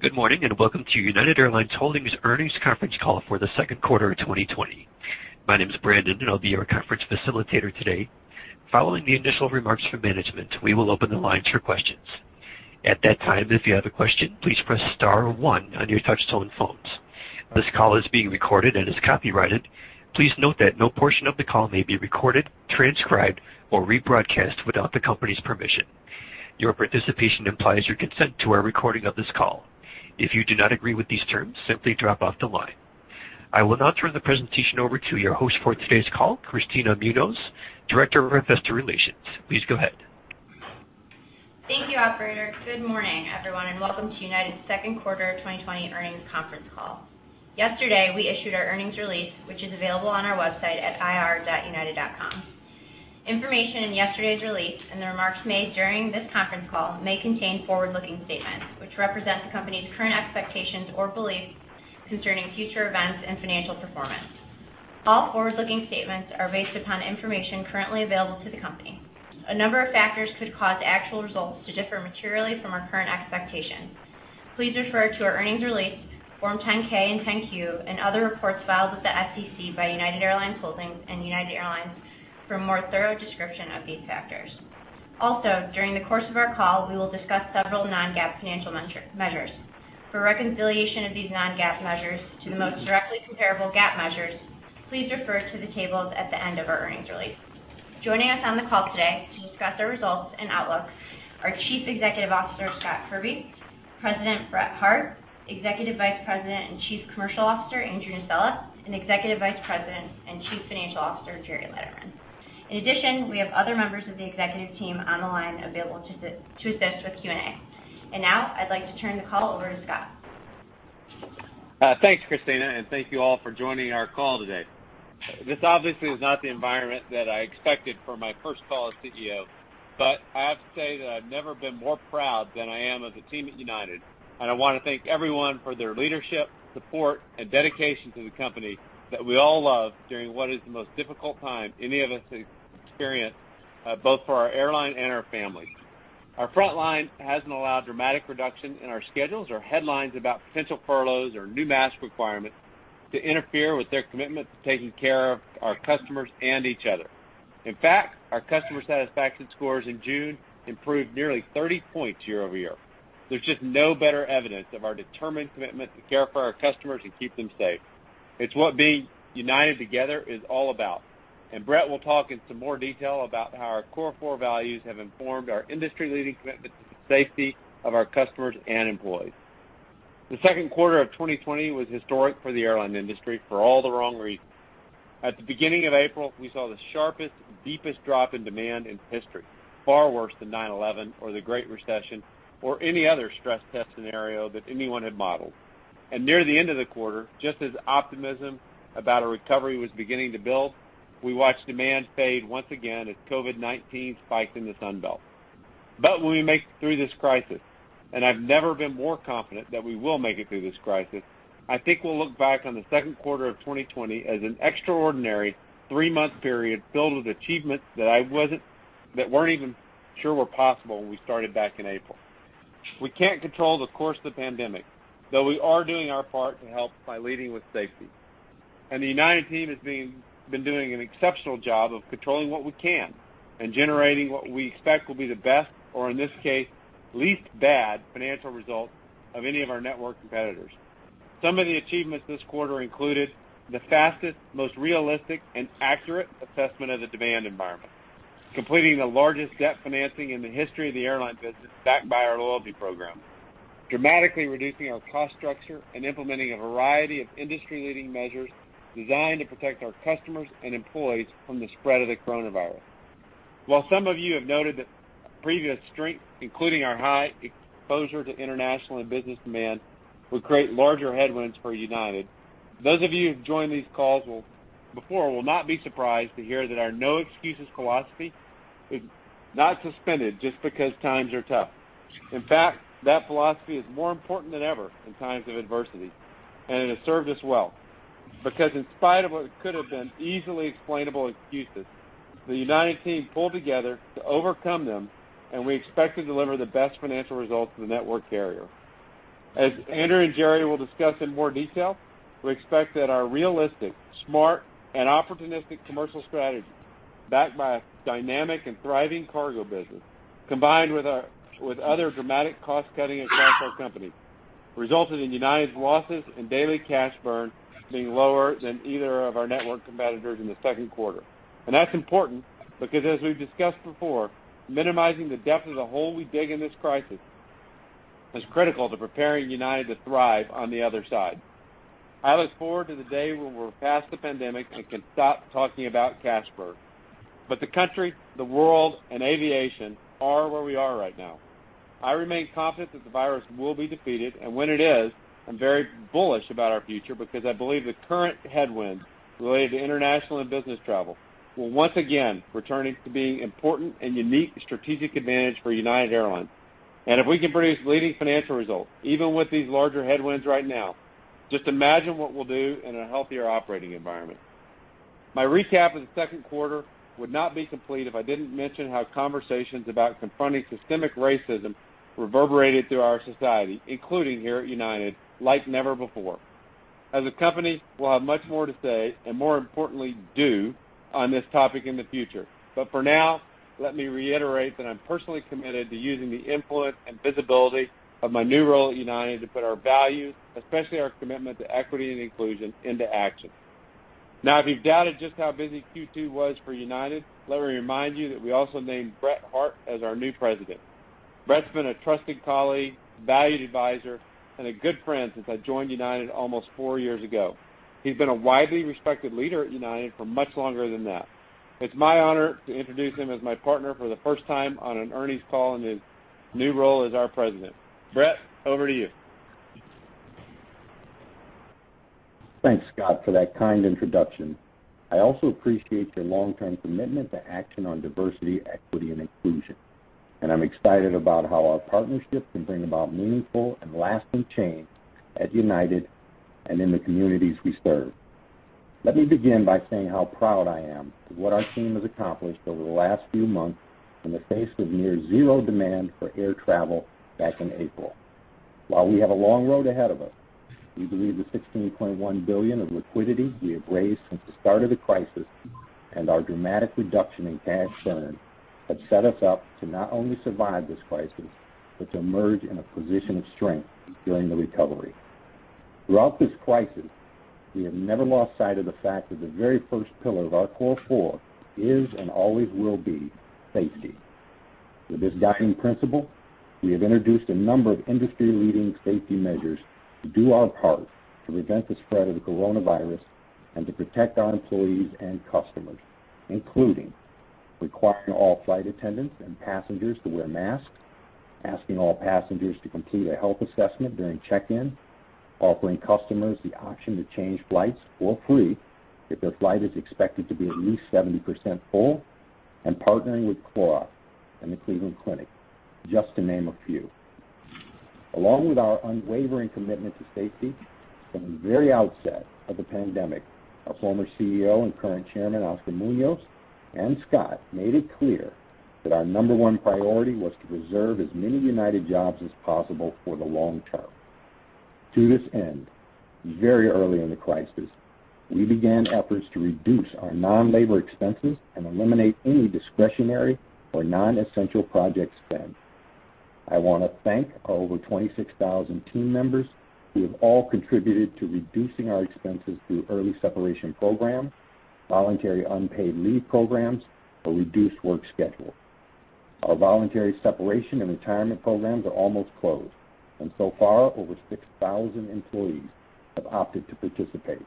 Good morning. Welcome to United Airlines Holdings earnings conference call for the second quarter of 2020. My name is Brandon, and I'll be your conference facilitator today. Following the initial remarks from management, we will open the lines for questions. At that time, if you have a question, please press star one on your touch-tone phones. This call is being recorded and is copyrighted. Please note that no portion of the call may be recorded, transcribed, or rebroadcast without the company's permission. Your participation implies your consent to our recording of this call. If you do not agree with these terms, simply drop off the line. I will now turn the presentation over to your host for today's call, Kristina Munoz, Director of Investor Relations. Please go ahead. Thank you, operator. Good morning, everyone, welcome to United's second quarter 2020 earnings conference call. Yesterday, we issued our earnings release, which is available on our website at ir.united.com. Information in yesterday's release and the remarks made during this conference call may contain forward-looking statements which represent the company's current expectations or beliefs concerning future events and financial performance. All forward-looking statements are based upon information currently available to the company. A number of factors could cause actual results to differ materially from our current expectations. Please refer to our earnings release, Form 10-K and 10-Q, and other reports filed with the SEC by United Airlines Holdings and United Airlines for a more thorough description of these factors. Also, during the course of our call, we will discuss several non-GAAP financial measures. For reconciliation of these non-GAAP measures to the most directly comparable GAAP measures, please refer to the tables at the end of our earnings release. Joining us on the call today to discuss our results and outlook are Chief Executive Officer, Scott Kirby, President, Brett Hart, Executive Vice President and Chief Commercial Officer, Andrew Nocella, and Executive Vice President and Chief Financial Officer, Gerry Laderman. In addition, we have other members of the executive team on the line available to assist with Q&A. Now, I'd like to turn the call over to Scott. Thanks, Kristina, thank you all for joining our call today. This obviously is not the environment that I expected for my first call as CEO. I have to say that I've never been more proud than I am of the team at United, and I want to thank everyone for their leadership, support, and dedication to the company that we all love during what is the most difficult time any of us experienced, both for our airline and our families. Our frontline hasn't allowed dramatic reductions in our schedules or headlines about potential furloughs or new mask requirements to interfere with their commitment to taking care of our customers and each other. In fact, our customer satisfaction scores in June improved nearly 30 points year-over-year. There's just no better evidence of our determined commitment to care for our customers and keep them safe. It's what being United Together is all about. Brett will talk into more detail about how our Core4 values have informed our industry-leading commitment to the safety of our customers and employees. The second quarter of 2020 was historic for the airline industry for all the wrong reasons. At the beginning of April, we saw the sharpest, deepest drop in demand in history, far worse than 9/11 or the Great Recession or any other stress test scenario that anyone had modeled. Near the end of the quarter, just as optimism about a recovery was beginning to build, we watched demand fade once again as COVID-19 spiked in the Sun Belt. When we make it through this crisis, and I've never been more confident that we will make it through this crisis, I think we'll look back on the second quarter of 2020 as an extraordinary three-month period filled with achievements that weren't even sure were possible when we started back in April. We can't control the course of the pandemic, though we are doing our part to help by leading with safety. The United team has been doing an exceptional job of controlling what we can and generating what we expect will be the best, or in this case, least bad, financial result of any of our network competitors. Some of the achievements this quarter included the fastest, most realistic, and accurate assessment of the demand environment, completing the largest debt financing in the history of the airline business, backed by our loyalty program, dramatically reducing our cost structure, and implementing a variety of industry-leading measures designed to protect our customers and employees from the spread of the coronavirus. While some of you have noted that previous strength, including our high exposure to international and business demand, would create larger headwinds for United, those of you who've joined these calls before will not be surprised to hear that our no excuses philosophy is not suspended just because times are tough. In fact, that philosophy is more important than ever in times of adversity, and it has served us well. In spite of what could have been easily explainable excuses, the United team pulled together to overcome them, and we expect to deliver the best financial results of the network carrier. As Andrew and Gerry will discuss in more detail, we expect that our realistic, smart, and opportunistic commercial strategies, backed by a dynamic and thriving cargo business, combined with other dramatic cost-cutting across our company, resulted in United's losses and daily cash burn being lower than either of our network competitors in the second quarter. That's important because as we've discussed before, minimizing the depth of the hole we dig in this crisis is critical to preparing United to thrive on the other side. I look forward to the day when we're past the pandemic and can stop talking about cash burn. The country, the world, and aviation are where we are right now. I remain confident that the virus will be defeated, and when it is, I'm very bullish about our future because I believe the current headwinds related to international and business travel will once again return to being important and unique strategic advantage for United Airlines. If we can produce leading financial results, even with these larger headwinds right now, just imagine what we'll do in a healthier operating environment. My recap of the second quarter would not be complete if I didn't mention how conversations about confronting systemic racism reverberated through our society, including here at United, like never before. As a company, we'll have much more to say, and more importantly, do on this topic in the future. For now, let me reiterate that I'm personally committed to using the influence and visibility of my new role at United to put our values, especially our commitment to equity and inclusion, into action. Now, if you've doubted just how busy Q2 was for United, let me remind you that we also named Brett Hart as our new President. Brett's been a trusted colleague, valued advisor, and a good friend since I joined United almost four years ago. He's been a widely respected leader at United for much longer than that. It's my honor to introduce him as my partner for the first time on an earnings call in his new role as our President. Brett, over to you. Thanks, Scott, for that kind introduction. I also appreciate your long-term commitment to action on diversity, equity, and inclusion, and I'm excited about how our partnership can bring about meaningful and lasting change at United and in the communities we serve. Let me begin by saying how proud I am of what our team has accomplished over the last few months in the face of near zero demand for air travel back in April. While we have a long road ahead of us, we believe the $16.1 billion of liquidity we have raised since the start of the crisis and our dramatic reduction in cash burn have set us up to not only survive this crisis, but to emerge in a position of strength during the recovery. Throughout this crisis, we have never lost sight of the fact that the very first pillar of our Core4 is and always will be safety. With this guiding principle, we have introduced a number of industry-leading safety measures to do our part to prevent the spread of the coronavirus and to protect our employees and customers, including requiring all flight attendants and passengers to wear masks, asking all passengers to complete a health assessment during check-in, offering customers the option to change flights for free if their flight is expected to be at least 70% full, and partnering with Clorox and the Cleveland Clinic, just to name a few. Along with our unwavering commitment to safety, from the very outset of the pandemic, our former CEO and current chairman, Oscar Munoz, and Scott, made it clear that our number one priority was to preserve as many United jobs as possible for the long term. To this end, very early in the crisis, we began efforts to reduce our non-labor expenses and eliminate any discretionary or non-essential project spend. I want to thank our over 26,000 team members who have all contributed to reducing our expenses through early separation programs, voluntary unpaid leave programs, or reduced work schedule. Our voluntary separation and retirement programs are almost closed. So far, over 6,000 employees have opted to participate.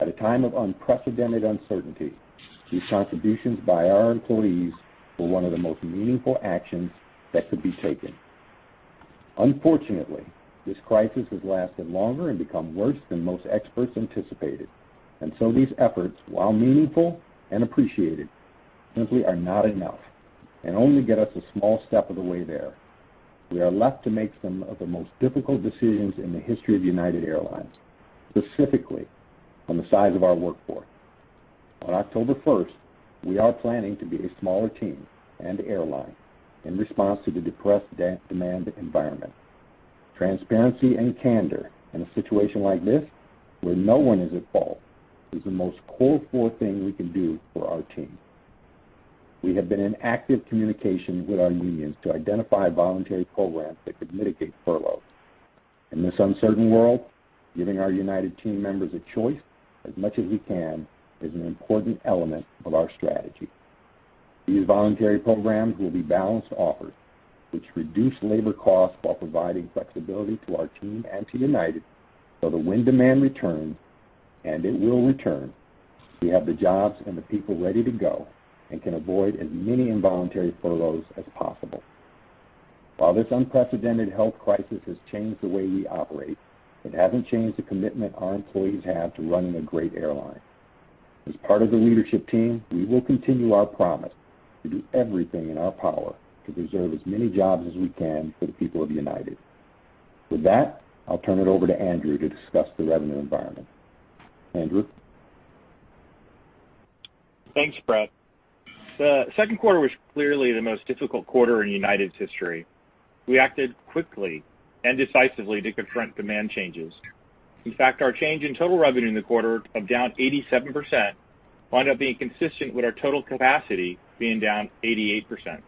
At a time of unprecedented uncertainty, these contributions by our employees were one of the most meaningful actions that could be taken. Unfortunately, this crisis has lasted longer and become worse than most experts anticipated, and so these efforts, while meaningful and appreciated, simply are not enough and only get us a small step of the way there. We are left to make some of the most difficult decisions in the history of United Airlines, specifically on the size of our workforce. On October 1st, we are planning to be a smaller team and airline in response to the depressed demand environment. Transparency and candor in a situation like this where no one is at fault is the most core four thing we can do for our team. We have been in active communication with our unions to identify voluntary programs that could mitigate furloughs. In this uncertain world, giving our United team members a choice as much as we can is an important element of our strategy. These voluntary programs will be balanced offers which reduce labor costs while providing flexibility to our team and to United so that when demand returns, and it will return, we have the jobs and the people ready to go and can avoid as many involuntary furloughs as possible. While this unprecedented health crisis has changed the way we operate, it hasn't changed the commitment our employees have to running a great airline. As part of the leadership team, we will continue our promise to do everything in our power to preserve as many jobs as we can for the people of United. With that, I'll turn it over to Andrew to discuss the revenue environment. Andrew? Thanks, Brett. The second quarter was clearly the most difficult quarter in United's history. We acted quickly and decisively to confront demand changes. In fact, our change in total revenue in the quarter of down 87% wound up being consistent with our total capacity being down 88%.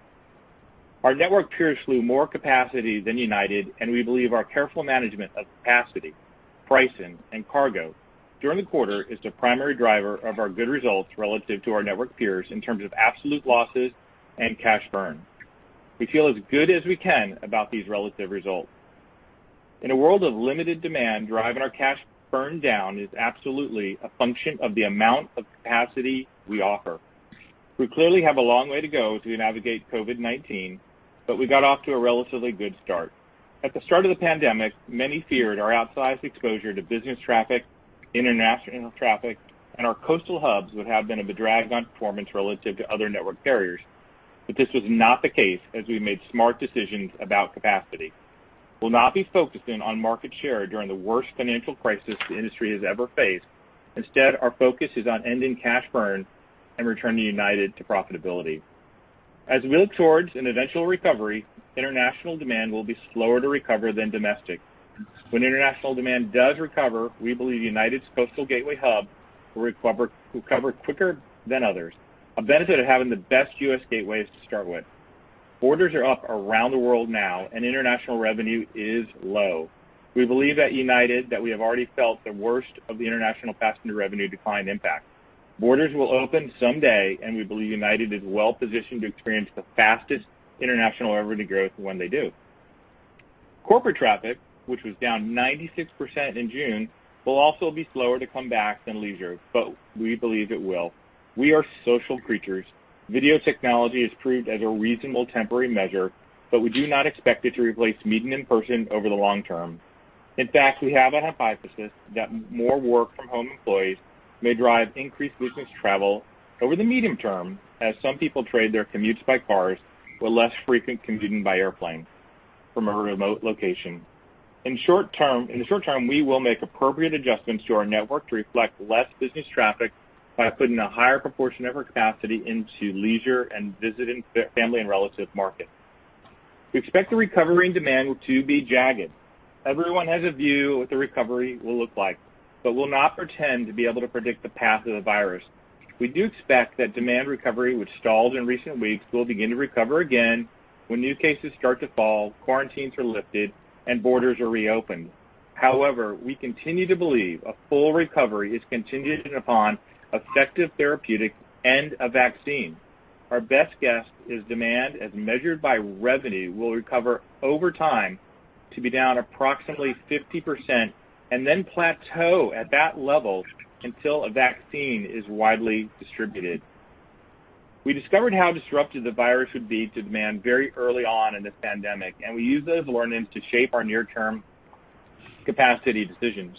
Our network peers flew more capacity than United, and we believe our careful management of capacity, pricing, and cargo during the quarter is the primary driver of our good results relative to our network peers in terms of absolute losses and cash burn. We feel as good as we can about these relative results. In a world of limited demand, driving our cash burn down is absolutely a function of the amount of capacity we offer. We clearly have a long way to go as we navigate COVID-19, but we got off to a relatively good start. At the start of the pandemic, many feared our outsized exposure to business traffic, international traffic, and our coastal hubs would have been a drag on performance relative to other network carriers. This was not the case as we made smart decisions about capacity. We'll not be focusing on market share during the worst financial crisis the industry has ever faced. Instead, our focus is on ending cash burn and returning United to profitability. As we look towards an eventual recovery, international demand will be slower to recover than domestic. When international demand does recover, we believe United's coastal gateway hub will recover quicker than others, a benefit of having the best U.S. gateways to start with. Borders are up around the world now, and international revenue is low. We believe at United that we have already felt the worst of the international passenger revenue decline impact. Borders will open someday, and we believe United is well-positioned to experience the fastest international revenue growth when they do. Corporate traffic, which was down 96% in June, will also be slower to come back than leisure, but we believe it will. We are social creatures. Video technology has proved as a reasonable temporary measure, but we do not expect it to replace meeting in person over the long term. In fact, we have a hypothesis that more work-from-home employees may drive increased business travel over the medium term as some people trade their commutes by cars for less frequent commuting by airplane from a remote location. In the short term, we will make appropriate adjustments to our network to reflect less business traffic by putting a higher proportion of our capacity into leisure and visiting family and relative markets. We expect the recovery in demand to be jagged. Everyone has a view what the recovery will look like, but we'll not pretend to be able to predict the path of the virus. We do expect that demand recovery, which stalled in recent weeks, will begin to recover again when new cases start to fall, quarantines are lifted, and borders are reopened. However, we continue to believe a full recovery is contingent upon effective therapeutics and a vaccine. Our best guess is demand, as measured by revenue, will recover over time to be down approximately 50% and then plateau at that level until a vaccine is widely distributed. We discovered how disruptive the virus would be to demand very early on in this pandemic, and we used those learnings to shape our near-term capacity decisions.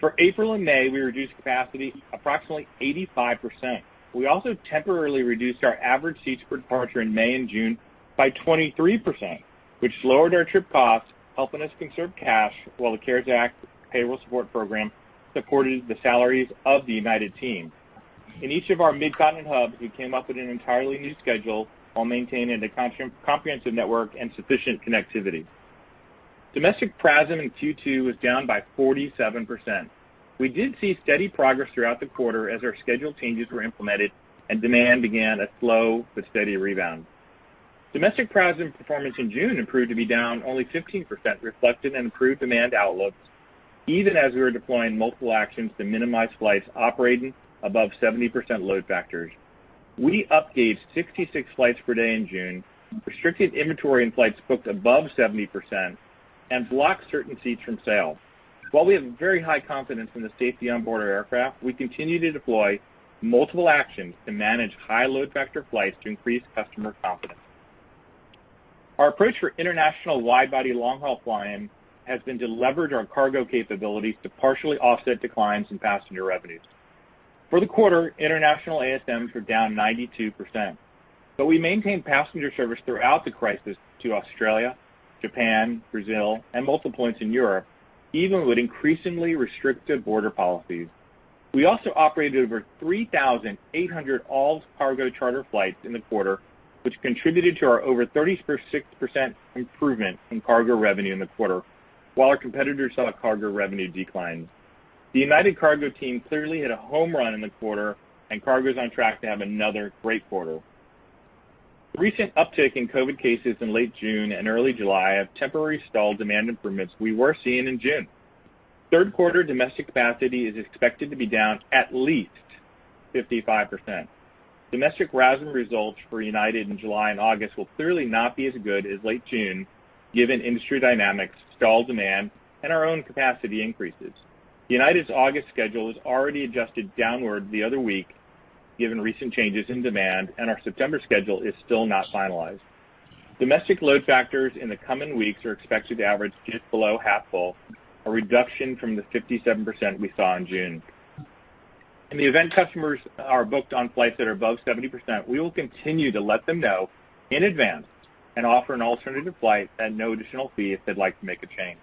For April and May, we reduced capacity approximately 85%. We also temporarily reduced our average seats per departure in May and June by 23%, which lowered our trip costs, helping us conserve cash while the CARES Act Payroll Support Program supported the salaries of the United team. In each of our mid-continent hubs, we came up with an entirely new schedule while maintaining a comprehensive network and sufficient connectivity. Domestic PRASM in Q2 was down by 47%. We did see steady progress throughout the quarter as our schedule changes were implemented and demand began a slow but steady rebound. Domestic PRASM performance in June improved to be down only 15%, reflecting an improved demand outlook, even as we were deploying multiple actions to minimize flights operating above 70% load factors. We up-gauged 66 flights per day in June, restricted inventory in flights booked above 70%, and blocked certain seats from sale. While we have very high confidence in the safety on board our aircraft, we continue to deploy multiple actions to manage high load factor flights to increase customer confidence. Our approach for international wide-body long-haul flying has been to leverage our cargo capabilities to partially offset declines in passenger revenues. For the quarter, international ASMs were down 92%, but we maintained passenger service throughout the crisis to Australia, Japan, Brazil, and multiple points in Europe, even with increasingly restrictive border policies. We also operated over 3,800 all-cargo charter flights in the quarter, which contributed to our over 36% improvement in cargo revenue in the quarter while our competitors saw cargo revenue declines. The United Cargo team clearly hit a home run in the quarter, and cargo is on track to have another great quarter. The recent uptick in COVID cases in late June and early July have temporarily stalled demand improvements we were seeing in June. Third quarter domestic capacity is expected to be down at least 55%. Domestic RASM results for United in July and August will clearly not be as good as late June given industry dynamics, stalled demand, and our own capacity increases. United's August schedule was already adjusted downward the other week given recent changes in demand, and our September schedule is still not finalized. Domestic load factors in the coming weeks are expected to average just below half full, a reduction from the 57% we saw in June. In the event customers are booked on flights that are above 70%, we will continue to let them know in advance and offer an alternative flight at no additional fee if they'd like to make a change.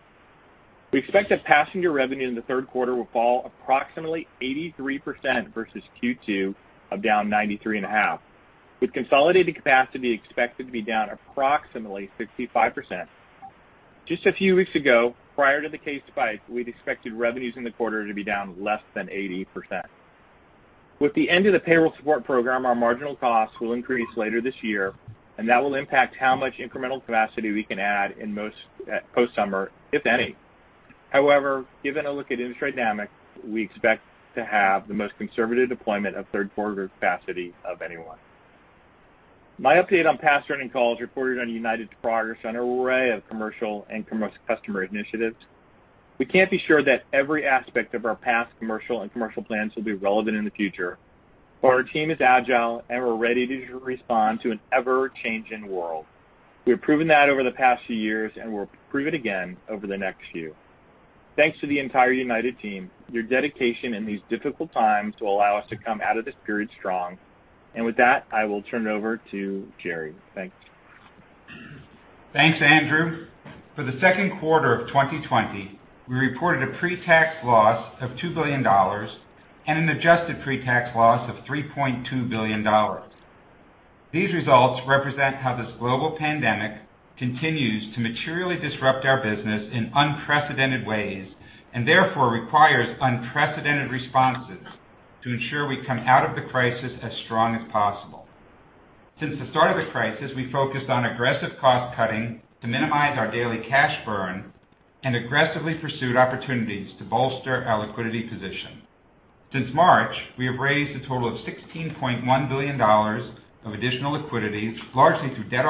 We expect that passenger revenue in the third quarter will fall approximately 83% versus Q2 of down 93.5% with consolidated capacity expected to be down approximately 65%. Just a few weeks ago, prior to the case spike, we'd expected revenues in the quarter to be down less than 80%. With the end of the Payroll Support Program, our marginal costs will increase later this year, and that will impact how much incremental capacity we can add in post-summer, if any. However, given a look at industry dynamics, we expect to have the most conservative deployment of third quarter capacity of anyone. My update on past earnings calls reported on United's progress on an array of commercial and customer initiatives. We can't be sure that every aspect of our past commercial and commercial plans will be relevant in the future, but our team is agile, and we're ready to respond to an ever-changing world. We have proven that over the past few years, and we'll prove it again over the next few. Thanks to the entire United team. Your dedication in these difficult times will allow us to come out of this period strong. With that, I will turn it over to Gerry. Thanks. Thanks, Andrew. For the second quarter of 2020, we reported a pre-tax loss of $2 billion and an adjusted pre-tax loss of $3.2 billion. These results represent how this global pandemic continues to materially disrupt our business in unprecedented ways, and therefore requires unprecedented responses to ensure we come out of the crisis as strong as possible. Since the start of the crisis, we focused on aggressive cost-cutting to minimize our daily cash burn and aggressively pursued opportunities to bolster our liquidity position. Since March, we have raised a total of $16.1 billion of additional liquidity, largely through debt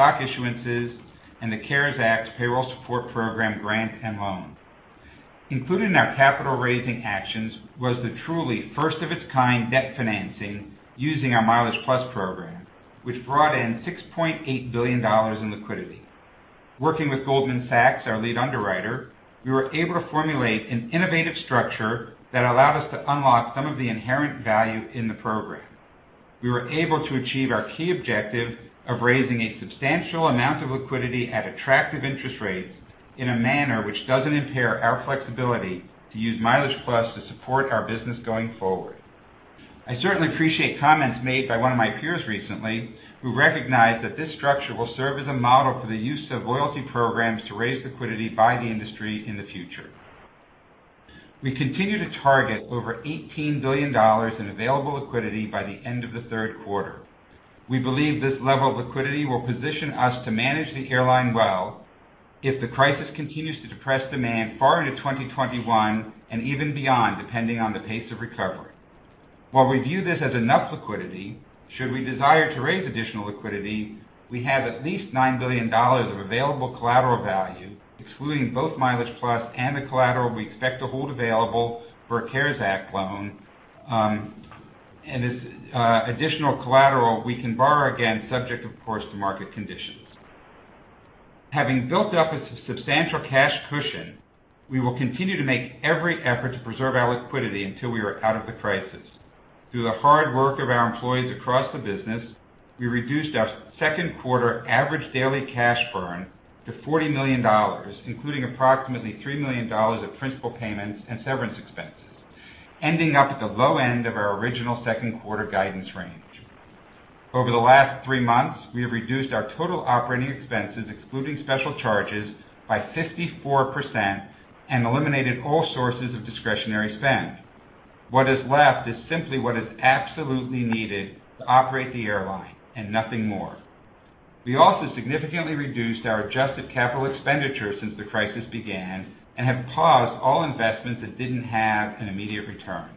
offerings, stock issuances, and the CARES Act's Payroll Support Program grant and loan. Included in our capital-raising actions was the truly first-of-its-kind debt financing using our MileagePlus program, which brought in $6.8 billion in liquidity. Working with Goldman Sachs, our lead underwriter, we were able to formulate an innovative structure that allowed us to unlock some of the inherent value in the program. We were able to achieve our key objective of raising a substantial amount of liquidity at attractive interest rates in a manner which doesn't impair our flexibility to use MileagePlus to support our business going forward. I certainly appreciate comments made by one of my peers recently who recognized that this structure will serve as a model for the use of loyalty programs to raise liquidity by the industry in the future. We continue to target over $18 billion in available liquidity by the end of the third quarter. We believe this level of liquidity will position us to manage the airline well if the crisis continues to depress demand far into 2021 and even beyond, depending on the pace of recovery. While we view this as enough liquidity, should we desire to raise additional liquidity, we have at least $9 billion of available collateral value, excluding both MileagePlus and the collateral we expect to hold available for a CARES Act loan. As additional collateral, we can borrow again, subject, of course, to market conditions. Having built up a substantial cash cushion, we will continue to make every effort to preserve our liquidity until we are out of the crisis. Through the hard work of our employees across the business, we reduced our second quarter average daily cash burn to $40 million, including approximately $3 million of principal payments and severance expenses, ending up at the low end of our original second quarter guidance range. Over the last three months, we have reduced our total operating expenses, excluding special charges, by 54% and eliminated all sources of discretionary spend. What is left is simply what is absolutely needed to operate the airline and nothing more. We also significantly reduced our adjusted capital expenditure since the crisis began and have paused all investments that didn't have an immediate return.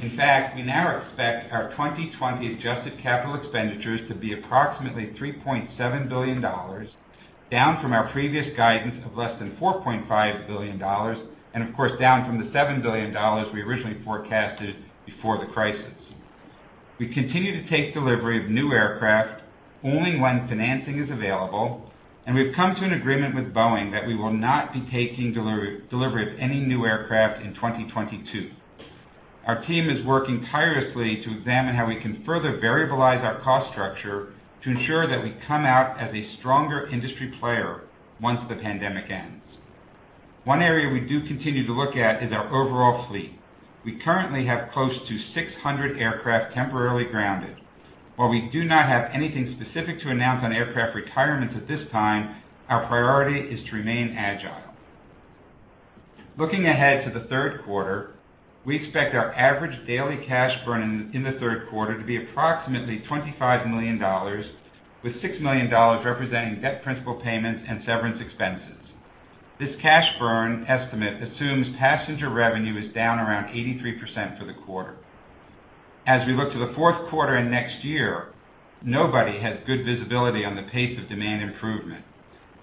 In fact, we now expect our 2020 adjusted capital expenditures to be approximately $3.7 billion, down from our previous guidance of less than $4.5 billion and, of course, down from the $7 billion we originally forecasted before the crisis. We continue to take delivery of new aircraft only when financing is available, and we've come to an agreement with Boeing that we will not be taking delivery of any new aircraft in 2022. Our team is working tirelessly to examine how we can further variabilize our cost structure to ensure that we come out as a stronger industry player once the pandemic ends. One area we do continue to look at is our overall fleet. We currently have close to 600 aircraft temporarily grounded. While we do not have anything specific to announce on aircraft retirements at this time, our priority is to remain agile. Looking ahead to the third quarter, we expect our average daily cash burn in the third quarter to be approximately $25 million, with $6 million representing debt principal payments and severance expenses. This cash burn estimate assumes passenger revenue is down around 83% for the quarter. As we look to the fourth quarter and next year, nobody has good visibility on the pace of demand improvement.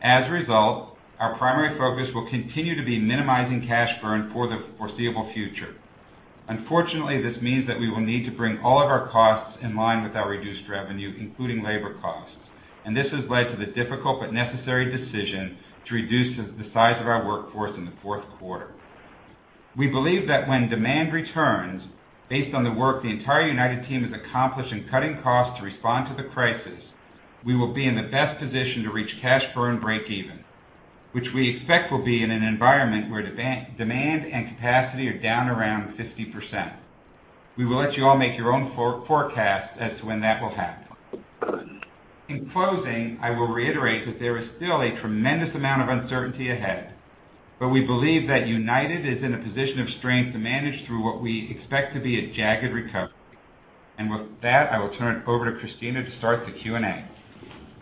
As a result, our primary focus will continue to be minimizing cash burn for the foreseeable future. Unfortunately, this means that we will need to bring all of our costs in line with our reduced revenue, including labor costs. This has led to the difficult but necessary decision to reduce the size of our workforce in the fourth quarter. We believe that when demand returns, based on the work the entire United team has accomplished in cutting costs to respond to the crisis, we will be in the best position to reach cash burn breakeven, which we expect will be in an environment where demand and capacity are down around 50%. We will let you all make your own forecasts as to when that will happen. In closing, I will reiterate that there is still a tremendous amount of uncertainty ahead, but we believe that United is in a position of strength to manage through what we expect to be a jagged recovery. With that, I will turn it over to Kristina to start the Q&A.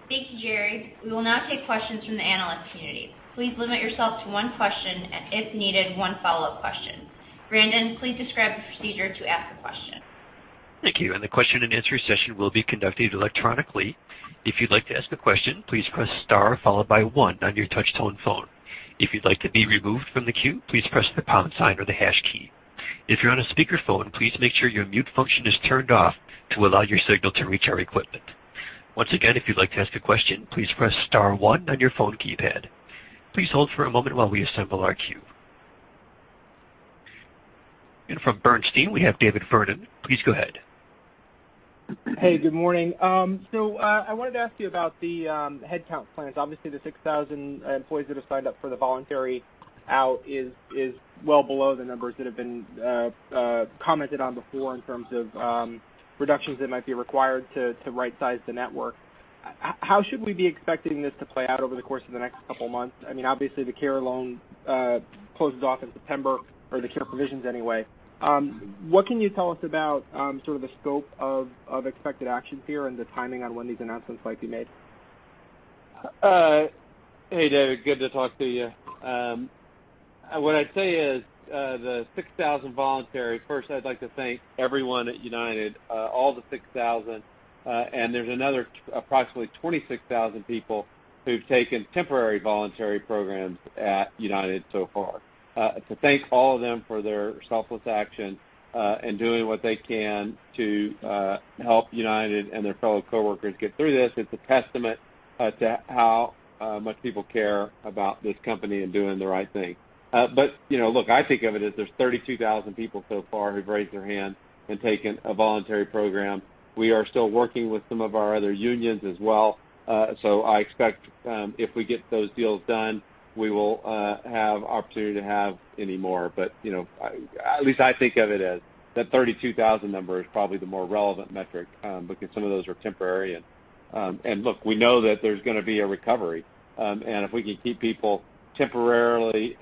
Thank you, Gerry. We will now take questions from the analyst community. Please limit yourself to one question and, if needed, one follow-up question. Brandon, please describe the procedure to ask a question. Thank you. The question-and-answer session will be conducted electronically. If you'd like to ask a question, please press star followed by one on your touch-tone phone. If you'd like to be removed from the queue, please press the pound sign or the hash key. If you're on a speakerphone, please make sure your mute function is turned off to allow your signal to reach our equipment. Once again, if you'd like to ask a question, please press star one on your phone keypad. Please hold for a moment while we assemble our queue. From Bernstein, we have David Vernon. Please go ahead. Hey, good morning. I wanted to ask you about the headcount plans. Obviously, the 6,000 employees that have signed up for the voluntary out is well below the numbers that have been commented on before in terms of reductions that might be required to right-size the network. How should we be expecting this to play out over the course of the next couple months? Obviously, the CARES loan closes off in September, or the CARES provisions anyway. What can you tell us about the scope of expected actions here and the timing on when these announcements might be made? Hey, David. Good to talk to you. First, I'd like to thank everyone at United, all the 6,000, and there's another approximately 26,000 people who've taken temporary voluntary programs at United so far, to thank all of them for their selfless action in doing what they can to help United and their fellow coworkers get through this. It's a testament to how much people care about this company and doing the right thing. Look, I think of it as there's 32,000 people so far who've raised their hand and taken a voluntary program. We are still working with some of our other unions as well. I expect if we get those deals done, we will have opportunity to have any more. At least I think of it as that 32,000 number is probably the more relevant metric, because some of those are temporary. Look, we know that there's going to be a recovery. If we can keep people temporarily,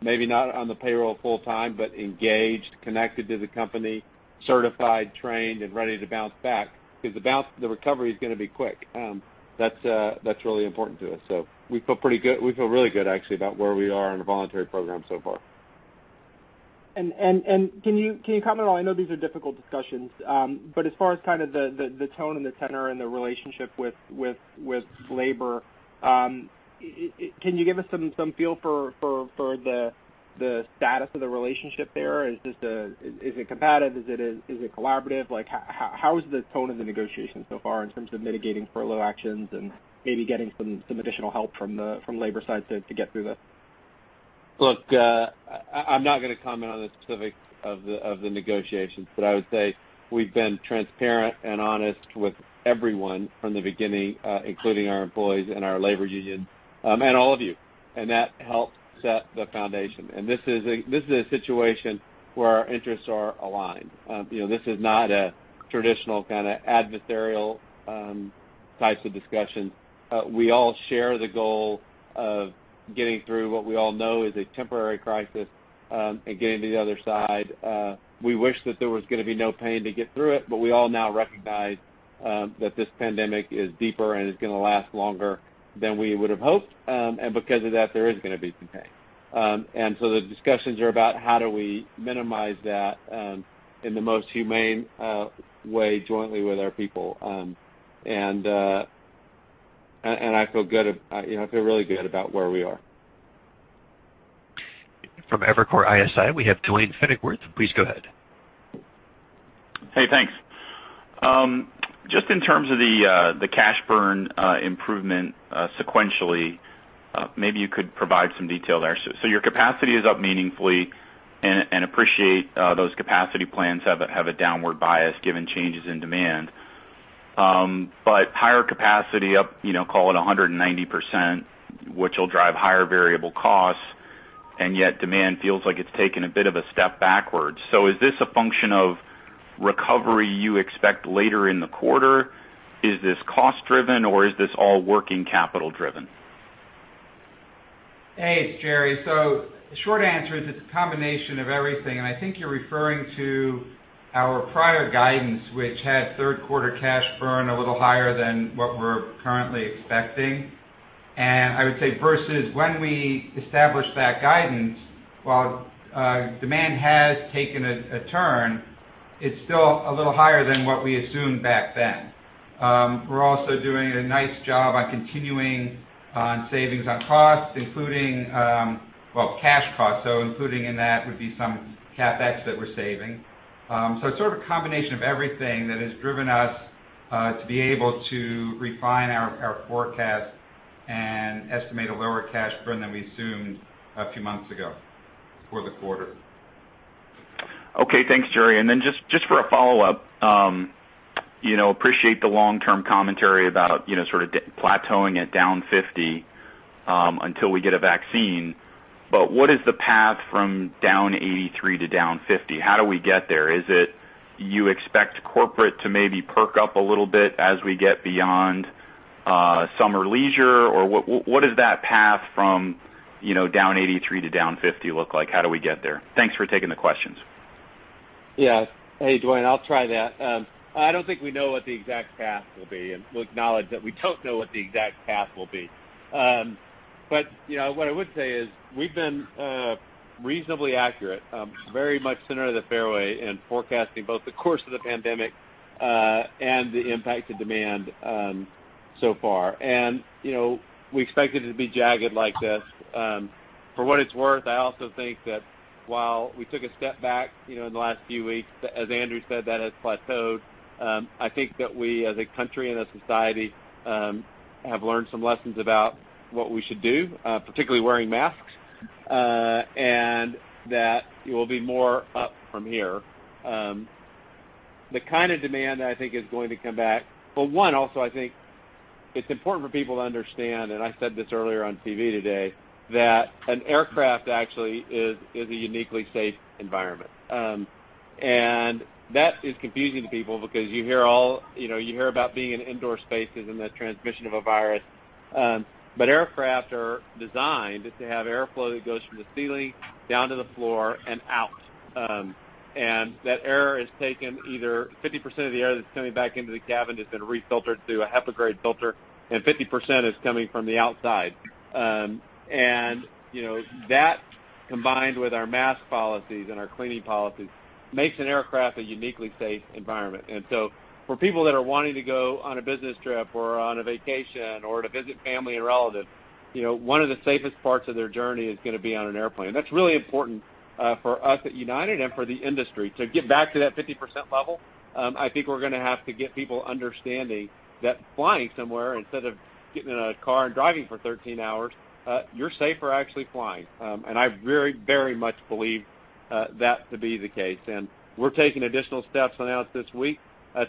maybe not on the payroll full-time, but engaged, connected to the company, certified, trained, and ready to bounce back, because the recovery is going to be quick. That's really important to us. We feel really good, actually, about where we are in the voluntary program so far. Can you comment at all, I know these are difficult discussions, but as far as the tone and the tenor and the relationship with labor, can you give us some feel for the status of the relationship there? Is it competitive? Is it collaborative? How is the tone of the negotiation so far in terms of mitigating furlough actions and maybe getting some additional help from labor side to get through this? Look, I'm not going to comment on the specifics of the negotiations, but I would say we've been transparent and honest with everyone from the beginning, including our employees and our labor union and all of you, that helped set the foundation. This is a situation where our interests are aligned. This is not a traditional kind of adversarial types of discussions. We all share the goal of getting through what we all know is a temporary crisis and getting to the other side. We wish that there was going to be no pain to get through it, but we all now recognize that this pandemic is deeper and is going to last longer than we would've hoped. Because of that, there is going to be some pain. The discussions are about how do we minimize that in the most humane way jointly with our people. I feel really good about where we are. From Evercore ISI, we have Duane Pfennigwerth. Please go ahead. Hey, thanks. Just in terms of the cash burn improvement sequentially, maybe you could provide some detail there. Your capacity is up meaningfully, and appreciate those capacity plans have a downward bias given changes in demand. Higher capacity up, call it 190%, which will drive higher variable costs, and yet demand feels like it's taken a bit of a step backwards. Is this a function of recovery you expect later in the quarter? Is this cost driven or is this all working capital driven? Hey, it's Gerry. The short answer is it's a combination of everything. I think you're referring to our prior guidance, which had third quarter cash burn a little higher than what we're currently expecting. I would say versus when we established that guidance, while demand has taken a turn, it's still a little higher than what we assumed back then. We're also doing a nice job on continuing on savings on costs, including, well, cash costs. Including in that would be some CapEx that we're saving. It's sort of a combination of everything that has driven us to be able to refine our forecast and estimate a lower cash burn than we assumed a few months ago for the quarter. Okay. Thanks, Gerry. Just for a follow-up. Appreciate the long-term commentary about sort of plateauing at down 50% until we get a vaccine. What is the path from down 83% to down 50%? How do we get there? Is it you expect corporate to maybe perk up a little bit as we get beyond summer leisure? What does that path from down 83% to down 50% look like? How do we get there? Thanks for taking the questions. Yeah. Hey, Duane, I'll try that. I don't think we know what the exact path will be, and we'll acknowledge that we don't know what the exact path will be. What I would say is we've been reasonably accurate, very much center of the fairway in forecasting both the course of the pandemic, and the impact to demand. So far. We expect it to be jagged like this. For what it's worth, I also think that while we took a step back in the last few weeks, as Andrew said, that has plateaued. I think that we, as a country and a society, have learned some lessons about what we should do, particularly wearing masks, and that it will be more up from here. The kind of demand that I think is going to come back. One, also, I think it's important for people to understand, and I said this earlier on TV today, that an aircraft actually is a uniquely safe environment. That is confusing to people because you hear about being in indoor spaces and the transmission of a virus. Aircraft are designed to have airflow that goes from the ceiling down to the floor and out. That air is taken, either 50% of the air that's coming back into the cabin has been refiltered through a HEPA-grade filter, and 50% is coming from the outside. That, combined with our mask policies and our cleaning policies, makes an aircraft a uniquely safe environment. For people that are wanting to go on a business trip or on a vacation or to visit family and relatives, one of the safest parts of their journey is going to be on an airplane. That's really important for us at United and for the industry. To get back to that 50% level, I think we're going to have to get people understanding that flying somewhere, instead of getting in a car and driving for 13 hours, you're safer actually flying. I very much believe that to be the case. We're taking additional steps announced this week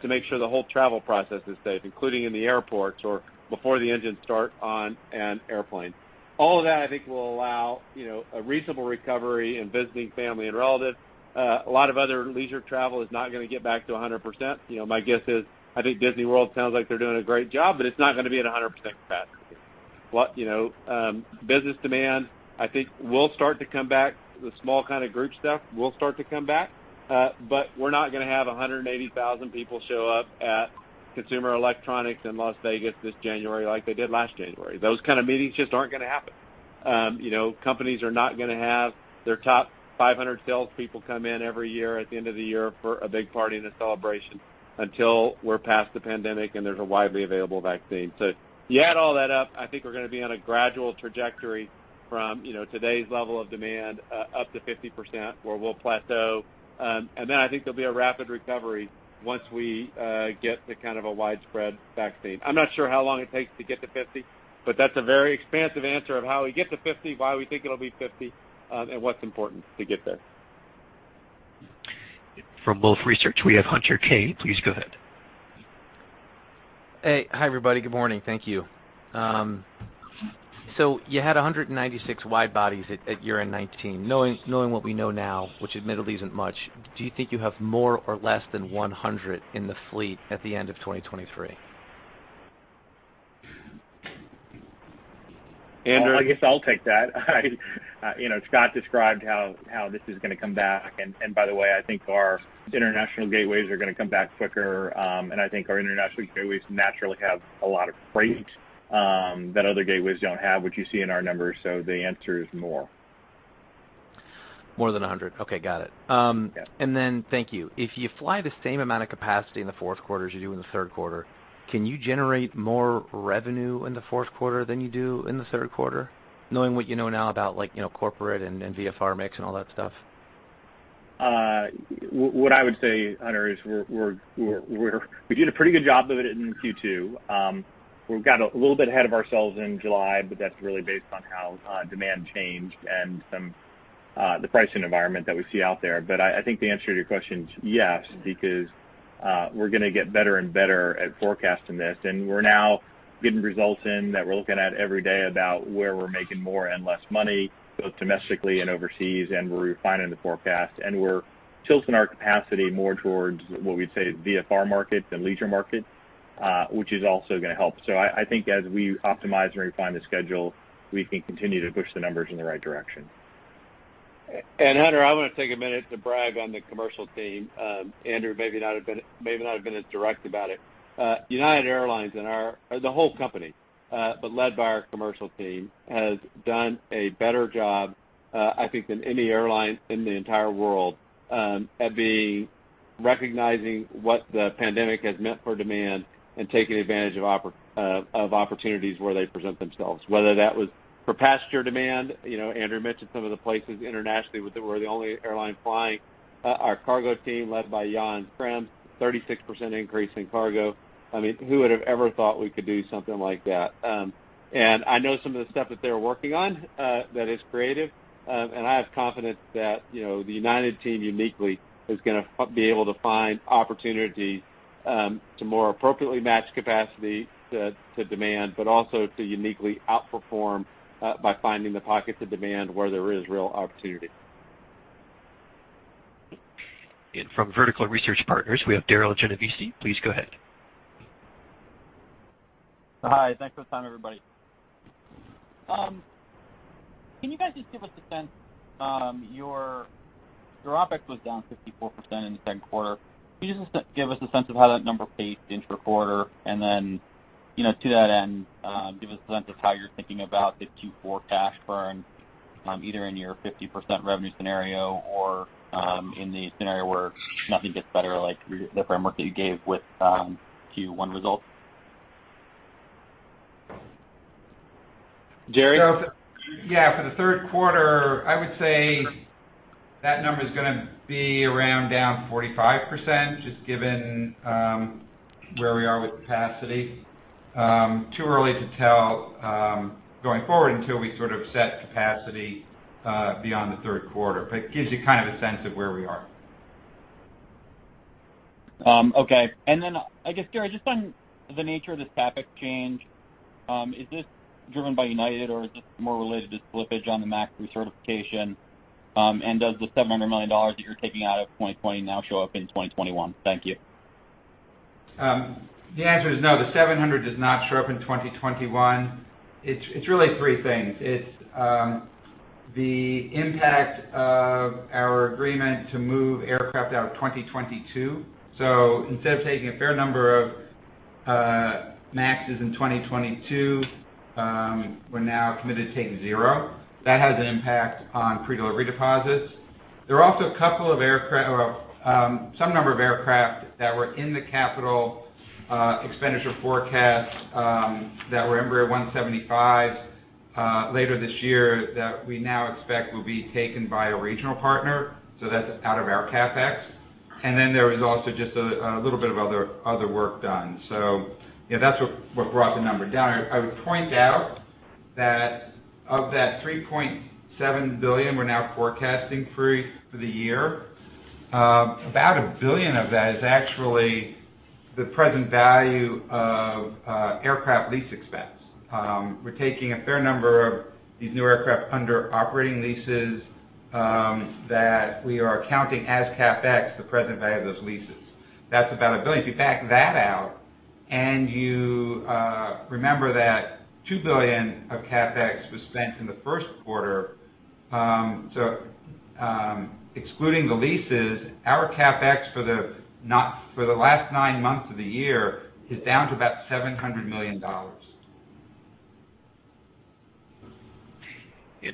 to make sure the whole travel process is safe, including in the airports or before the engines start on an airplane. All of that, I think, will allow a reasonable recovery in visiting family and relatives. A lot of other leisure travel is not going to get back to 100%. My guess is, I think Disney World sounds like they're doing a great job, but it's not going to be at 100% capacity. Business demand, I think, will start to come back. The small kind of group stuff will start to come back. We're not going to have 180,000 people show up at Consumer Electronics in Las Vegas this January like they did last January. Those kind of meetings just aren't going to happen. Companies are not going to have their top 500 salespeople come in every year at the end of the year for a big party and a celebration until we're past the pandemic and there's a widely available vaccine. You add all that up, I think we're going to be on a gradual trajectory from today's level of demand up to 50%, where we'll plateau. Then I think there'll be a rapid recovery once we get the kind of a widespread vaccine. I'm not sure how long it takes to get to 50, but that's a very expansive answer of how we get to 50, why we think it'll be 50, and what's important to get there. From Wolfe Research, we have Hunter Keay. Please go ahead. Hey. Hi, everybody. Good morning. Thank you. You had 196 wide-bodies at year-end 2019. Knowing what we know now, which admittedly isn't much, do you think you have more or less than 100 in the fleet at the end of 2023? Andrew? I guess I'll take that. Scott described how this is going to come back. By the way, I think our international gateways are going to come back quicker. I think our international gateways naturally have a lot of freight that other gateways don't have, which you see in our numbers. The answer is more. More than 100. Okay. Got it. Yeah. Thank you. If you fly the same amount of capacity in the fourth quarter as you do in the third quarter, can you generate more revenue in the fourth quarter than you do in the third quarter, knowing what you know now about corporate and VFR mix and all that stuff? What I would say, Hunter, is we did a pretty good job of it in Q2. We've got a little bit ahead of ourselves in July, that's really based on how demand changed and the pricing environment that we see out there. I think the answer to your question is yes, because we're going to get better and better at forecasting this, and we're now getting results in that we're looking at every day about where we're making more and less money, both domestically and overseas, and we're refining the forecast, and we're tilting our capacity more towards what we'd say VFR market than leisure market, which is also going to help. I think as we optimize and refine the schedule, we can continue to push the numbers in the right direction. Hunter, I want to take a minute to brag on the commercial team. Andrew maybe not have been as direct about it. United Airlines and the whole company, but led by our commercial team, has done a better job, I think, than any airline in the entire world at recognizing what the pandemic has meant for demand and taking advantage of opportunities where they present themselves, whether that was for passenger demand. Andrew mentioned some of the places internationally where we're the only airline flying. Our Cargo Team, led by Jan Krems, 36% increase in cargo. Who would have ever thought we could do something like that? I know some of the stuff that they're working on that is creative. I have confidence that the United team uniquely is going to be able to find opportunities to more appropriately match capacity to demand, but also to uniquely outperform by finding the pockets of demand where there is real opportunity. From Vertical Research Partners, we have Darryl Genovesi. Please go ahead. Hi. Thanks for the time, everybody. Can you guys just give us a sense, your OPEX was down 54% in the second quarter? Can you just give us a sense of how that number paced intra-quarter? To that end, give us a sense of how you're thinking about the Q4 cash burn? Either in your 50% revenue scenario or in the scenario where nothing gets better, like the framework that you gave with Q1 results. Gerry? Yeah, for the third quarter, I would say that number's going to be around down 45%, just given where we are with capacity. Too early to tell going forward until we sort of set capacity beyond the third quarter. It gives you a sense of where we are. Okay. I guess, Gerry, just on the nature of this CapEx change, is this driven by United, or is this more related to slippage on the MAX recertification? Does the $700 million that you're taking out of 2020 now show up in 2021? Thank you. The answer is no, the $700 does not show up in 2021. It's really three things. It's the impact of our agreement to move aircraft out of 2022. Instead of taking a fair number of MAXes in 2022, we're now committed to taking zero. That has an impact on pre-delivery deposits. There are also some number of aircraft that were in the capital expenditure forecast that were Embraer 175 later this year that we now expect will be taken by a regional partner. That's out of our CapEx. There was also just a little bit of other work done. Yeah, that's what brought the number down. I would point out that of that $3.7 billion we're now forecasting for the year, about $1 billion of that is actually the present value of aircraft lease expense. We're taking a fair number of these new aircraft under operating leases that we are counting as CapEx, the present value of those leases. That's about $1 billion. If you back that out and you remember that $2 billion of CapEx was spent in the first quarter, excluding the leases, our CapEx for the last nine months of the year is down to about $700 million.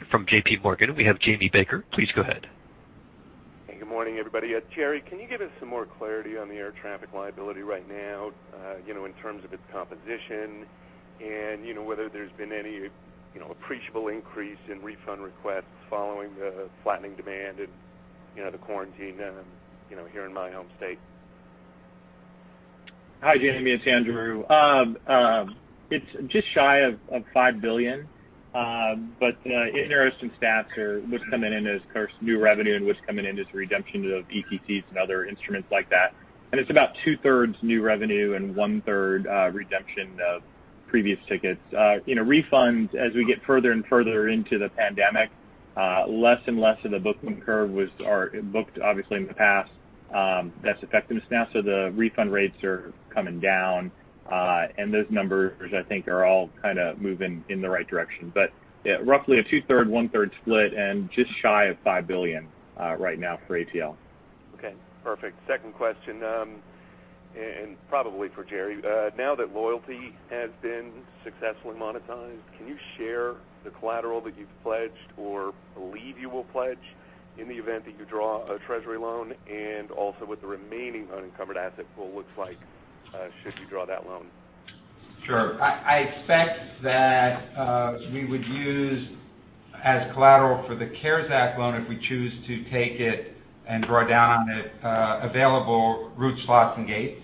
From JPMorgan, we have Jamie Baker. Please go ahead. Hey, good morning, everybody. Gerry, can you give us some more clarity on the air traffic liability right now, in terms of its composition and whether there's been any appreciable increase in refund requests following the flattening demand and the quarantine here in my home state? Hi, Jamie, it's Andrew. It's just shy of $5 billion. In there are some stats or what's coming in as, of course, new revenue and what's coming in as redemption of ETCs and other instruments like that. It's about two-thirds new revenue and one-third redemption of previous tickets. In a refund, as we get further and further into the pandemic, less and less of the booking curve was booked, obviously, in the past. That's affecting us now, the refund rates are coming down. Those numbers, I think, are all kind of moving in the right direction. Yeah, roughly a two-third, one-third split and just shy of $5 billion right now for ATL. Okay, perfect. Second question, probably for Gerry. Now that loyalty has been successfully monetized, can you share the collateral that you've pledged or believe you will pledge in the event that you draw a Treasury loan? Also what the remaining unencumbered asset pool looks like should you draw that loan? Sure. I expect that we would use as collateral for the CARES Act loan, if we choose to take it and draw down on it, available route slots and gates.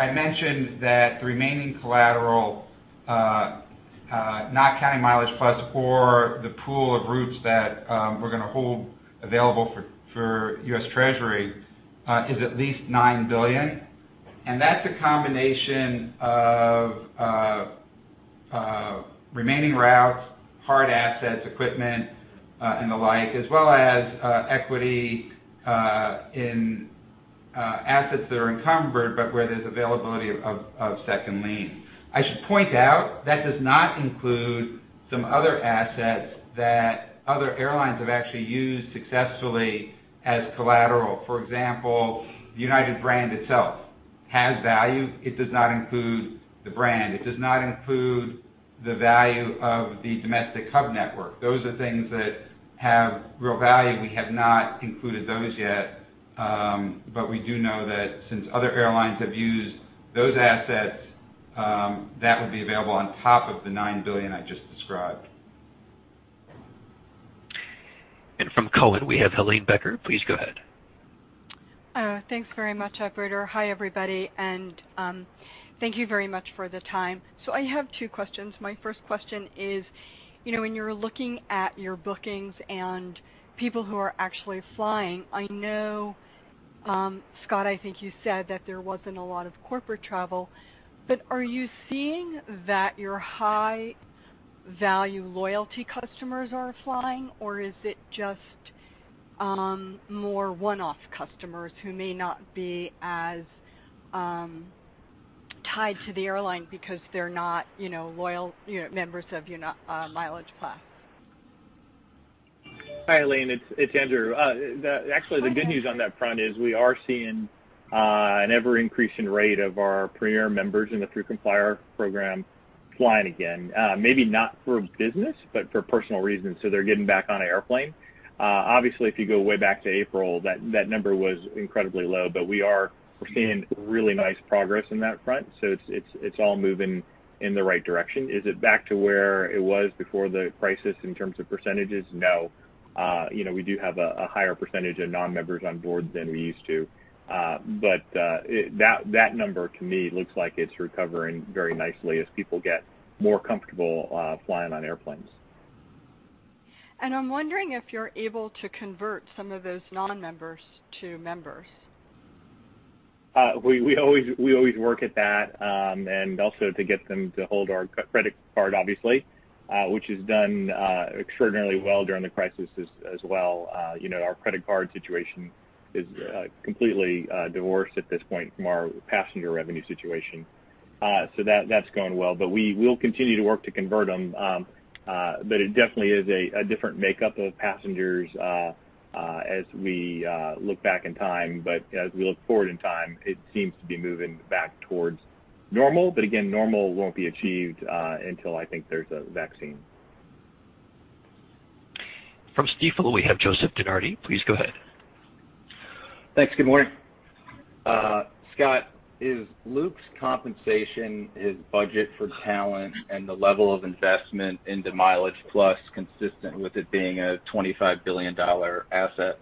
I mentioned that the remaining collateral, not counting MileagePlus or the pool of routes that we're going to hold available for U.S. Treasury, is at least $9 billion. That's a combination of remaining routes, hard assets, equipment, and the like, as well as equity in assets that are encumbered, but where there's availability of second lien. I should point out, that does not include some other assets that other airlines have actually used successfully as collateral. For example, the United brand itself has value. It does not include the brand. It does not include the value of the domestic hub network. Those are things that have real value. We have not included those yet. We do know that since other airlines have used those assets, that would be available on top of the $9 billion I just described. From Cowen, we have Helane Becker. Please go ahead. Thanks very much, operator. Hi, everybody, and thank you very much for the time. I have two questions. My first question is, when you're looking at your bookings and people who are actually flying, I know, Scott, I think you said that there wasn't a lot of corporate travel, but are you seeing that your high-value loyalty customers are flying, or is it just more one-off customers who may not be as tied to the airline because they're not loyal members of MileagePlus? Hi, Helane. It's Andrew. The good news on that front is we are seeing an ever-increasing rate of our Premier members in the United PerksPlus program flying again. Maybe not for business, but for personal reasons, so they're getting back on an airplane. Obviously, if you go way back to April, that number was incredibly low, but we are seeing really nice progress in that front. It's all moving in the right direction. Is it back to where it was before the crisis in terms of percentages? No. We do have a higher % of non-members on board than we used to. That number to me looks like it's recovering very nicely as people get more comfortable flying on airplanes. I'm wondering if you're able to convert some of those non-members to members. We always work at that, also to get them to hold our credit card, obviously, which has done extraordinarily well during the crisis as well. Our credit card situation is completely divorced at this point from our passenger revenue situation. That's going well. We will continue to work to convert them. It definitely is a different makeup of passengers as we look back in time, but as we look forward in time, it seems to be moving back towards normal. Again, normal won't be achieved until I think there's a vaccine. From Stifel, we have Joseph DeNardi. Please go ahead. Thanks. Good morning. Scott, is Luc's compensation, his budget for talent, and the level of investment into MileagePlus consistent with it being a $25 billion asset?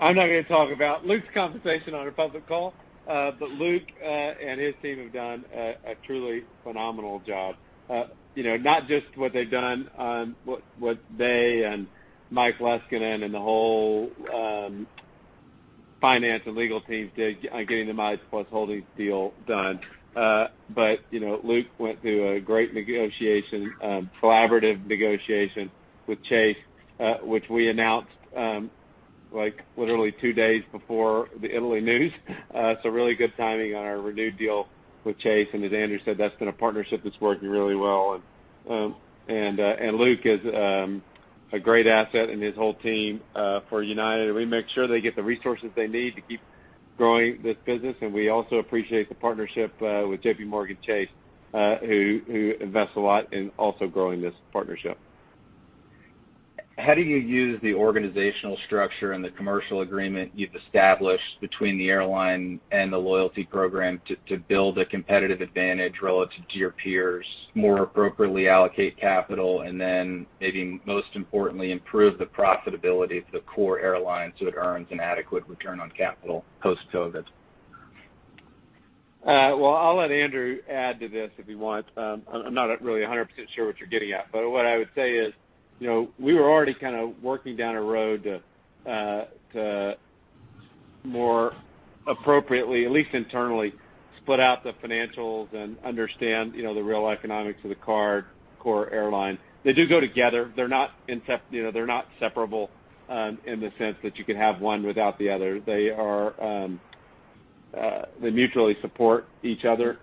I'm not going to talk about Luc's compensation on a public call. Luc and his team have done a truly phenomenal job. Not just what they've done on what they and Michael Leskinen and the whole finance and legal teams did on getting the MileagePlus Holdings deal done. Luc went through a great negotiation, collaborative negotiation with Chase, which we announced literally two days before the Italy news. Really good timing on our renewed deal with Chase. As Andrew said, that's been a partnership that's working really well. Luc is a great asset and his whole team for United, and we make sure they get the resources they need to keep growing this business. We also appreciate the partnership with JPMorgan Chase, who invest a lot in also growing this partnership. How do you use the organizational structure and the commercial agreement you've established between the airline and the loyalty program to build a competitive advantage relative to your peers, more appropriately allocate capital, and then maybe most importantly, improve the profitability of the core airline so it earns an adequate return on capital post-COVID? Well, I'll let Andrew add to this if you want. I'm not really 100% sure what you're getting at, but what I would say is, we were already kind of working down a road to more appropriately, at least internally, split out the financials and understand the real economics of the card, core airline. They do go together. They're not separable in the sense that you could have one without the other. They mutually support each other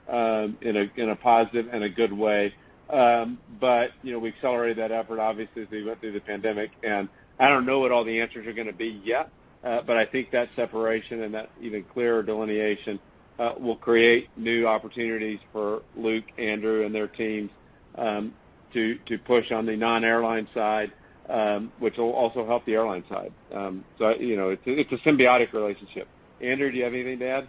in a positive and a good way. We accelerated that effort obviously as we went through the pandemic, and I don't know what all the answers are going to be yet. I think that separation and that even clearer delineation will create new opportunities for Luc, Andrew, and their teams to push on the non-airline side, which will also help the airline side. It's a symbiotic relationship. Andrew, do you have anything to add?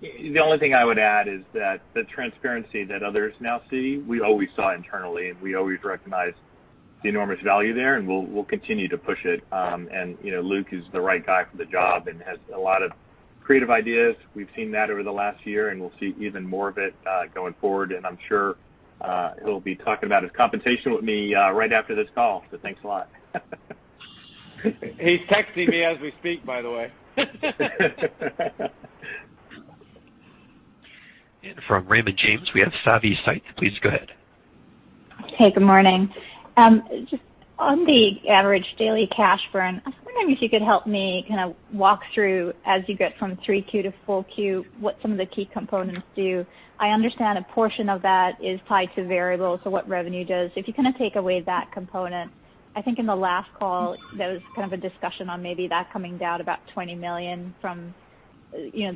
The only thing I would add is that the transparency that others now see, we always saw internally, and we always recognized the enormous value there, and we'll continue to push it. Luc is the right guy for the job and has a lot of creative ideas. We've seen that over the last year, and we'll see even more of it going forward. I'm sure he'll be talking about his compensation with me right after this call, so thanks a lot. He's texting me as we speak, by the way. From Raymond James, we have Savanthi Syth. Please go ahead. Hey, good morning. Just on the average daily cash burn, I was wondering if you could help me kind of walk through as you get from 3Q to 4Q, what some of the key components do. I understand a portion of that is tied to variables, so what revenue does. If you kind of take away that component, I think in the last call, there was kind of a discussion on maybe that coming down about $20 million from the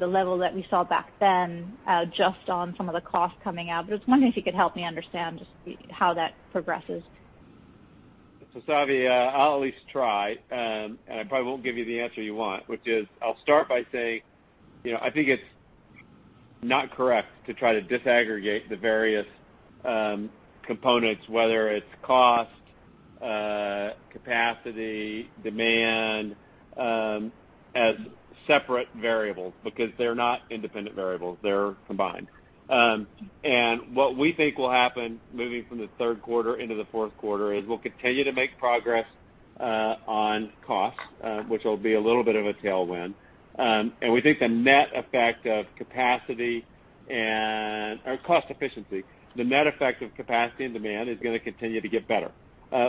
level that we saw back then, just on some of the cost coming out. I was wondering if you could help me understand just how that progresses. Savi, I'll at least try, and I probably won't give you the answer you want, which is I'll start by saying, I think it's not correct to try to disaggregate the various components, whether it's cost, capacity, demand, as separate variables, because they're not independent variables. They're combined. What we think will happen moving from the third quarter into the fourth quarter is we'll continue to make progress on cost, which will be a little bit of a tailwind. We think the net effect of capacity and demand is going to continue to get better.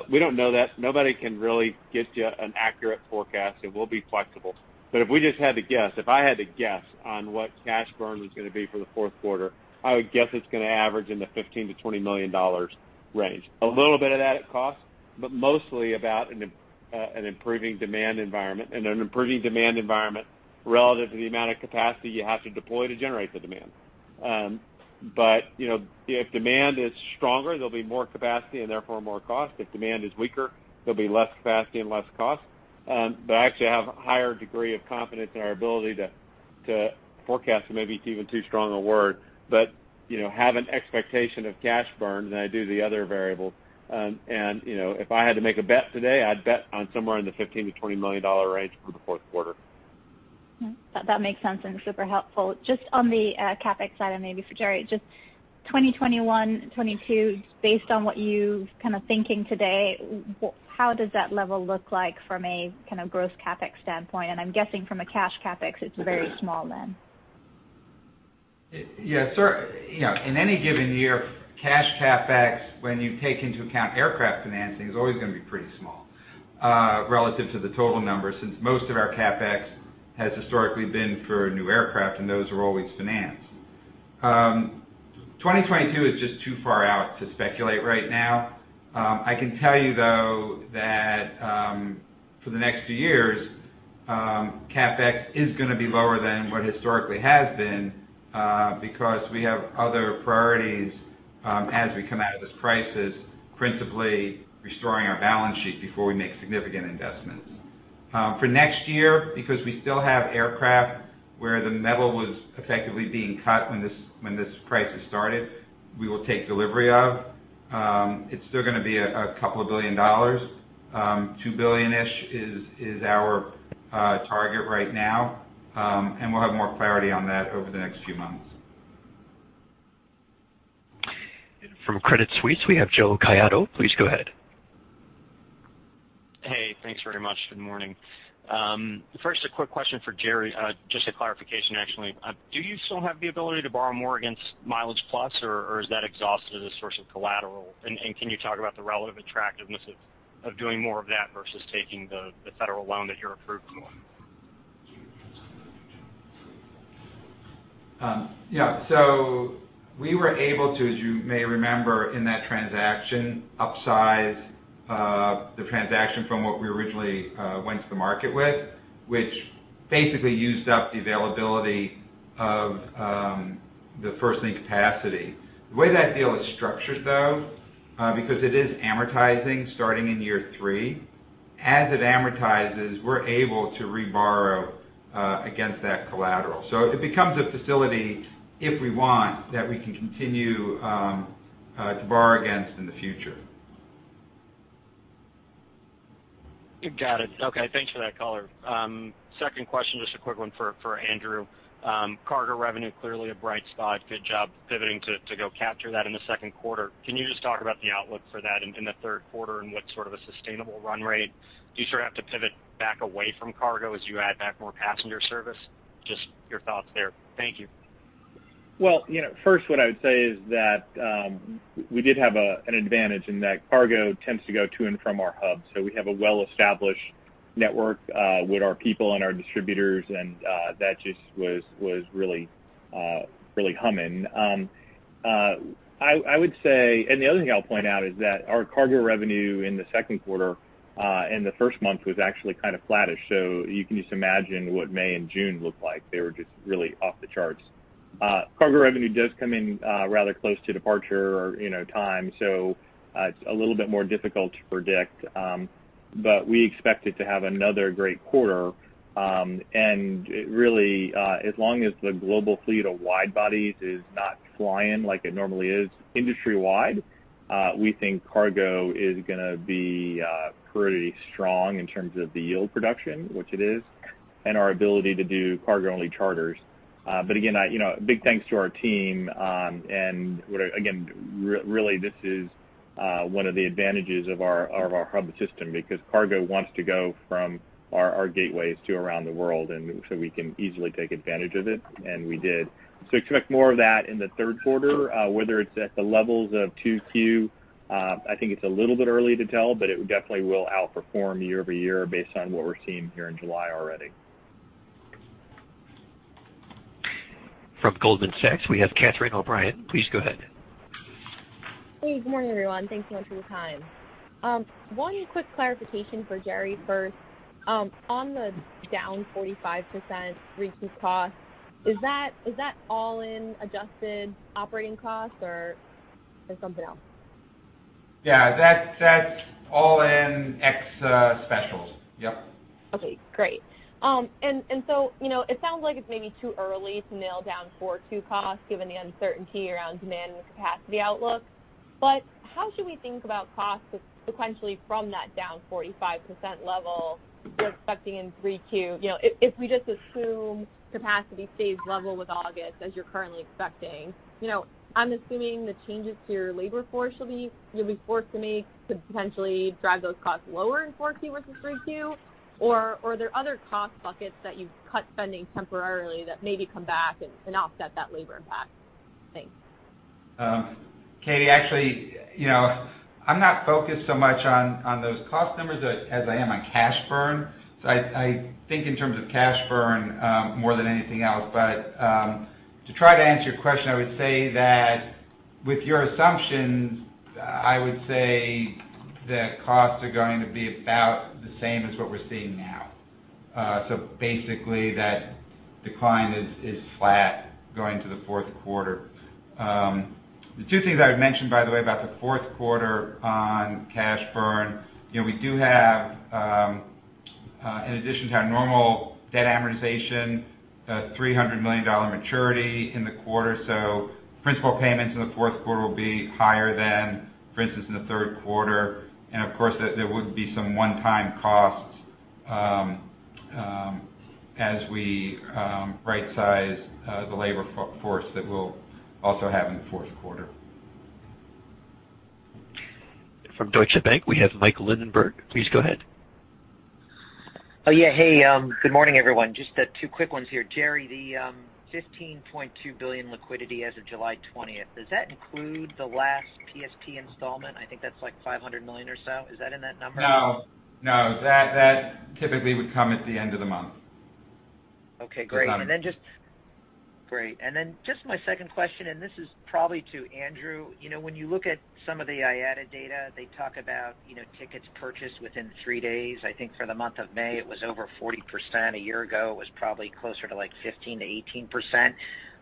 We don't know that. Nobody can really get you an accurate forecast, and we'll be flexible. If we just had to guess, if I had to guess on what cash burn was going to be for the fourth quarter, I would guess it's going to average in the $15 million-$20 million range. A little bit of that at cost. Mostly about an improving demand environment and an improving demand environment relative to the amount of capacity you have to deploy to generate the demand. If demand is stronger, there'll be more capacity and therefore more cost. If demand is weaker, there'll be less capacity and less cost. I actually have a higher degree of confidence in our ability to, forecast maybe even too strong a word, but have an expectation of cash burn than I do the other variables. If I had to make a bet today, I'd bet on somewhere in the $15 million to $20 million range for the fourth quarter. That makes sense and super helpful. Just on the CapEx side, maybe for Gerry, just 2021 and 2022, based on what you're kind of thinking today, how does that level look like from a kind of gross CapEx standpoint? I'm guessing from a cash CapEx, it's very small then. Yes. In any given year, cash CapEx, when you take into account aircraft financing, is always going to be pretty small relative to the total numbers, since most of our CapEx has historically been for new aircraft, and those are always financed. 2022 is just too far out to speculate right now. I can tell you, though, that for the next few years, CapEx is going to be lower than what historically has been, because we have other priorities as we come out of this crisis, principally restoring our balance sheet before we make significant investments. For next year, because we still have aircraft where the metal was effectively being cut when this crisis started, we will take delivery of. It's still going to be a couple of billion dollars. $2 billion-ish is our target right now, and we'll have more clarity on that over the next few months. From Credit Suisse, we have Jose Caiado. Please go ahead. Hey, thanks very much. Good morning. First, a quick question for Gerry, just a clarification, actually. Do you still have the ability to borrow more against MileagePlus, or is that exhausted as a source of collateral? Can you talk about the relative attractiveness of doing more of that versus taking the federal loan that you're approved for? Yeah. We were able to, as you may remember, in that transaction, upsize the transaction from what we originally went to the market with, which basically used up the availability of the first-lien capacity. The way that deal is structured, though, because it is amortizing starting in year three, as it amortizes, we're able to reborrow against that collateral. It becomes a facility, if we want, that we can continue to borrow against in the future. Got it. Okay, thanks for that color. Second question, just a quick one for Andrew. Cargo revenue, clearly a bright spot. Good job pivoting to go capture that in the second quarter. Can you just talk about the outlook for that in the third quarter and what sort of a sustainable run rate? Do you sort of have to pivot back away from cargo as you add back more passenger service? Just your thoughts there. Thank you. Well, first, what I would say is that we did have an advantage in that cargo tends to go to and from our hubs. We have a well-established network with our people and our distributors, and that just was really humming. The other thing I'll point out is that our cargo revenue in the second quarter, in the first month, was actually kind of flattish. You can just imagine what May and June looked like. They were just really off the charts. Cargo revenue does come in rather close to departure time, so it's a little bit more difficult to predict. We expect it to have another great quarter, and really, as long as the global fleet of wide-bodies is not flying like it normally is industry-wide, we think cargo is going to be pretty strong in terms of the yield production, which it is, and our ability to do cargo-only charters. Again, a big thanks to our team, and again, really, this is one of the advantages of our hub system because cargo wants to go from our gateways to around the world, we can easily take advantage of it, and we did. Expect more of that in the third quarter. Whether it's at the levels of 2Q, I think it's a little bit early to tell, but it definitely will outperform year-over-year based on what we're seeing here in July already. From Goldman Sachs, we have Catherine O'Brien. Please go ahead. Hey, good morning, everyone. Thanks so much for the time. Wanted a quick clarification for Gerry first. On the down 45% reduced cost, is that all in adjusted operating costs or is it something else? Yeah. That's all in ex-specials. Yep. Okay, great. It sounds like it's maybe too early to nail down Q4 costs given the uncertainty around demand and the capacity outlook, how should we think about costs sequentially from that down 45% level you're expecting in 3Q? If we just assume capacity stays level with August as you're currently expecting, I'm assuming the changes to your labor force you'll be forced to make could potentially drive those costs lower in 4Q versus 3Q. Are there other cost buckets that you've cut funding temporarily that maybe come back and offset that labor impact? Thanks. Katie, actually, I'm not focused so much on those cost numbers as I am on cash burn. I think in terms of cash burn more than anything else. To try to answer your question, I would say that with your assumptions, I would say that costs are going to be about the same as what we're seeing now. Basically, that decline is flat going to the fourth quarter. The two things I would mention, by the way, about the fourth quarter on cash burn, we do have, in addition to our normal debt amortization, a $300 million maturity in the quarter. Principal payments in the fourth quarter will be higher than, for instance, in the third quarter. Of course, there would be some one-time costs as we right-size the labor force that we'll also have in the fourth quarter. From Deutsche Bank, we have Michael Linenberg. Please go ahead. Oh, yeah. Hey. Good morning, everyone. Just two quick ones here. Gerry, the $15.2 billion liquidity as of July 20th, does that include the last PSP installment? I think that's like $500 million or so. Is that in that number? No. That typically would come at the end of the month. Okay, great. Then just my second question, and this is probably to Andrew. When you look at some of the IATA data, they talk about tickets purchased within three days. I think for the month of May, it was over 40%. A year ago, it was probably closer to 15%-18%.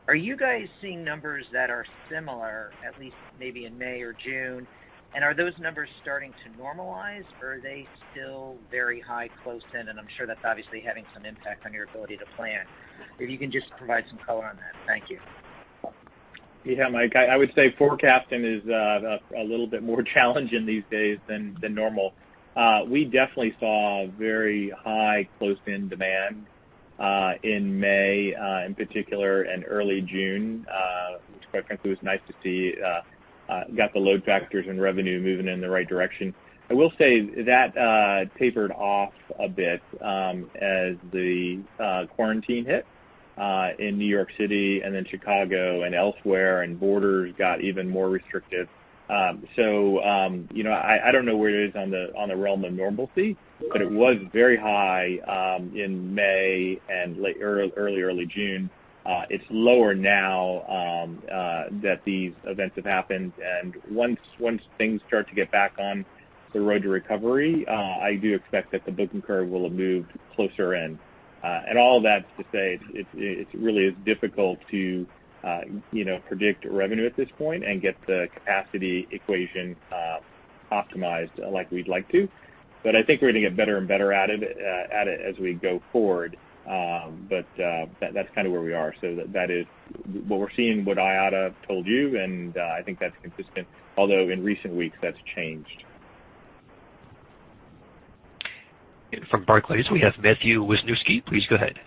Are you guys seeing numbers that are similar, at least maybe in May or June? Are those numbers starting to normalize, or are they still very high close in? I'm sure that's obviously having some impact on your ability to plan. If you can just provide some color on that. Thank you. Yeah, Mike, I would say forecasting is a little bit more challenging these days than normal. We definitely saw very high close-in demand in May, in particular, and early June, which quite frankly was nice to see. Got the load factors and revenue moving in the right direction. I will say that tapered off a bit as the quarantine hit in New York City and then Chicago and elsewhere, and borders got even more restrictive. I don't know where it is on the realm of normalcy, but it was very high in May and early June. It's lower now that these events have happened. Once things start to get back on the road to recovery, I do expect that the booking curve will have moved closer in. All that's to say it really is difficult to predict revenue at this point and get the capacity equation optimized like we'd like to. I think we're going to get better and better at it as we go forward. That's kind of where we are. That is what we're seeing, what IATA told you, and I think that's consistent, although in recent weeks that's changed. From Barclays, we have Matthew Wisniewski. Please go ahead.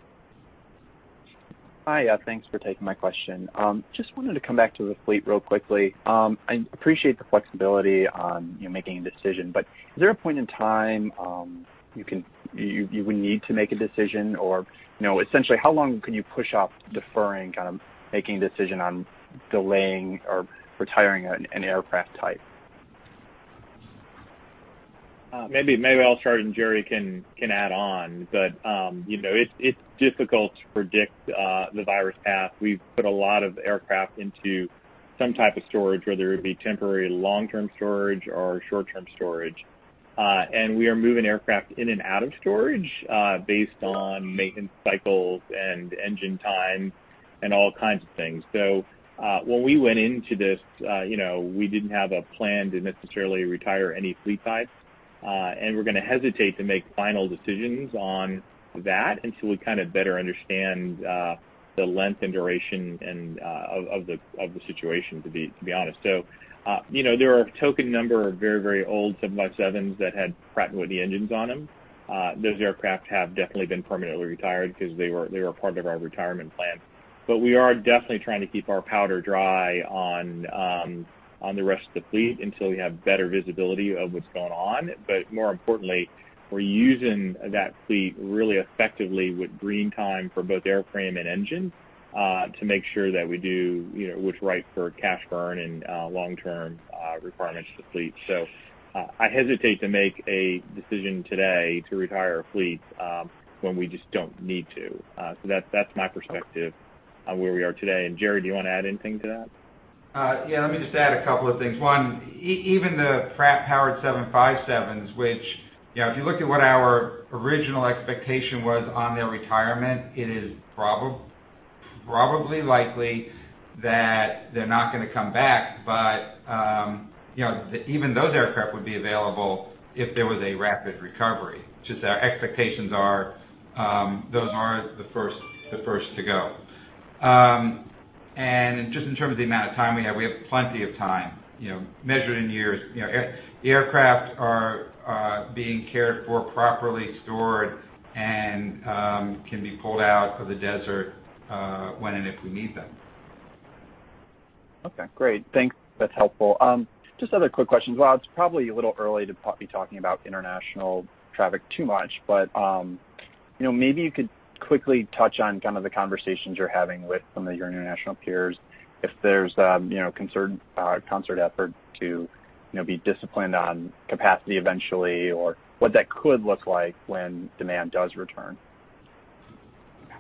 Hi. Thanks for taking my question. Just wanted to come back to the fleet real quickly. I appreciate the flexibility on making a decision. Is there a point in time you would need to make a decision? Essentially, how long can you push off deferring making a decision on delaying or retiring an aircraft type? Maybe I'll start and Gerry can add on. It's difficult to predict the virus path. We've put a lot of aircraft into some type of storage, whether it be temporary long-term storage or short-term storage. We are moving aircraft in and out of storage based on maintenance cycles and engine time and all kinds of things. When we went into this, we didn't have a plan to necessarily retire any fleet types, and we're going to hesitate to make final decisions on that until we kind of better understand the length and duration of the situation, to be honest. There are a token number of very old 757s that had Pratt & Whitney engines on them. Those aircraft have definitely been permanently retired because they were part of our retirement plan. We are definitely trying to keep our powder dry on the rest of the fleet until we have better visibility of what's going on. More importantly, we're using that fleet really effectively with green time for both airframe and engine to make sure that we do what's right for cash burn and long-term requirements for the fleet. I hesitate to make a decision today to retire a fleet when we just don't need to. That's my perspective on where we are today. Gerry, do you want to add anything to that? Yeah, let me just add a couple of things. One, even the Pratt-powered 757s, which if you look at what our original expectation was on their retirement, it is probably likely that they're not going to come back. Even those aircraft would be available if there was a rapid recovery. Just our expectations are those are the first to go. Just in terms of the amount of time we have, we have plenty of time, measured in years. The aircraft are being cared for properly, stored, and can be pulled out of the desert when and if we need them. Okay, great. Thanks. That's helpful. Just other quick questions. While it's probably a little early to be talking about international traffic too much, but maybe you could quickly touch on kind of the conversations you're having with some of your international peers, if there's a concerted effort to be disciplined on capacity eventually or what that could look like when demand does return?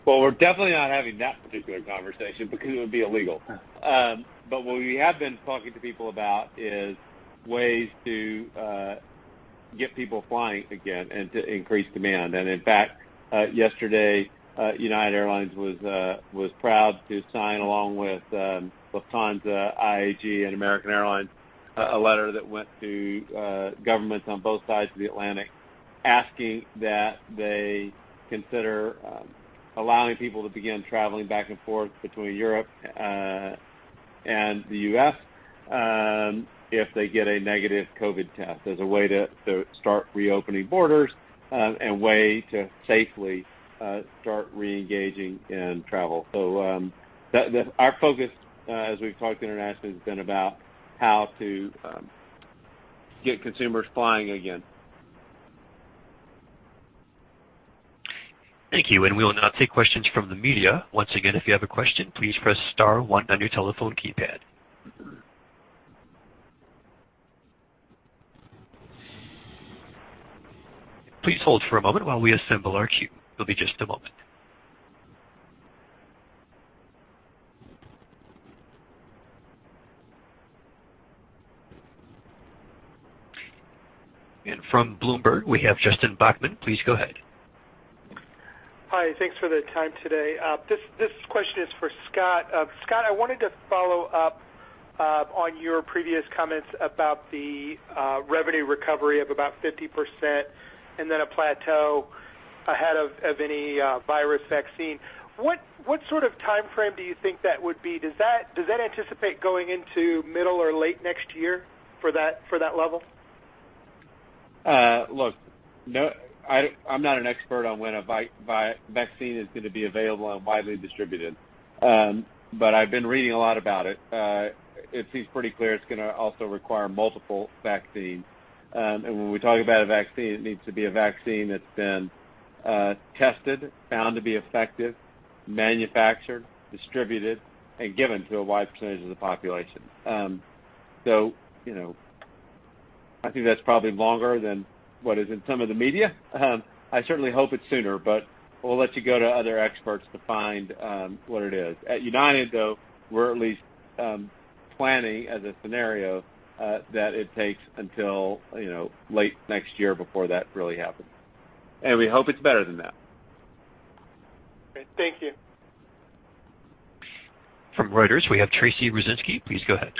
Well, we're definitely not having that particular conversation because it would be illegal. Huh. What we have been talking to people about is ways to get people flying again and to increase demand. In fact, yesterday, United Airlines was proud to sign, along with Lufthansa, IAG, and American Airlines, a letter that went to governments on both sides of the Atlantic asking that they consider allowing people to begin traveling back and forth between Europe and the U.S. if they get a negative COVID test as a way to start reopening borders, and way to safely start reengaging in travel. Our focus, as we've talked internationally, has been about how to get consumers flying again. Thank you. We will now take questions from the media. Once again, if you have a question, please press star one on your telephone keypad. Please hold for a moment while we assemble our queue. It'll be just a moment. From Bloomberg, we have Justin Bachman. Please go ahead. Hi. Thanks for the time today. This question is for Scott. Scott, I wanted to follow up on your previous comments about the revenue recovery of about 50%, and then a plateau ahead of any virus vaccine. What sort of timeframe do you think that would be? Does that anticipate going into middle or late next year for that level? Look, no, I'm not an expert on when a vaccine is going to be available and widely distributed. I've been reading a lot about it. It seems pretty clear it's going to also require multiple vaccines. When we talk about a vaccine, it needs to be a vaccine that's been tested, found to be effective, manufactured, distributed, and given to a wide percentage of the population. I think that's probably longer than what is in some of the media. I certainly hope it's sooner, but we'll let you go to other experts to find what it is. At United, though, we're at least planning as a scenario that it takes until late next year before that really happens, and we hope it's better than that. Great. Thank you. From Reuters, we have Tracy Rucinski. Please go ahead.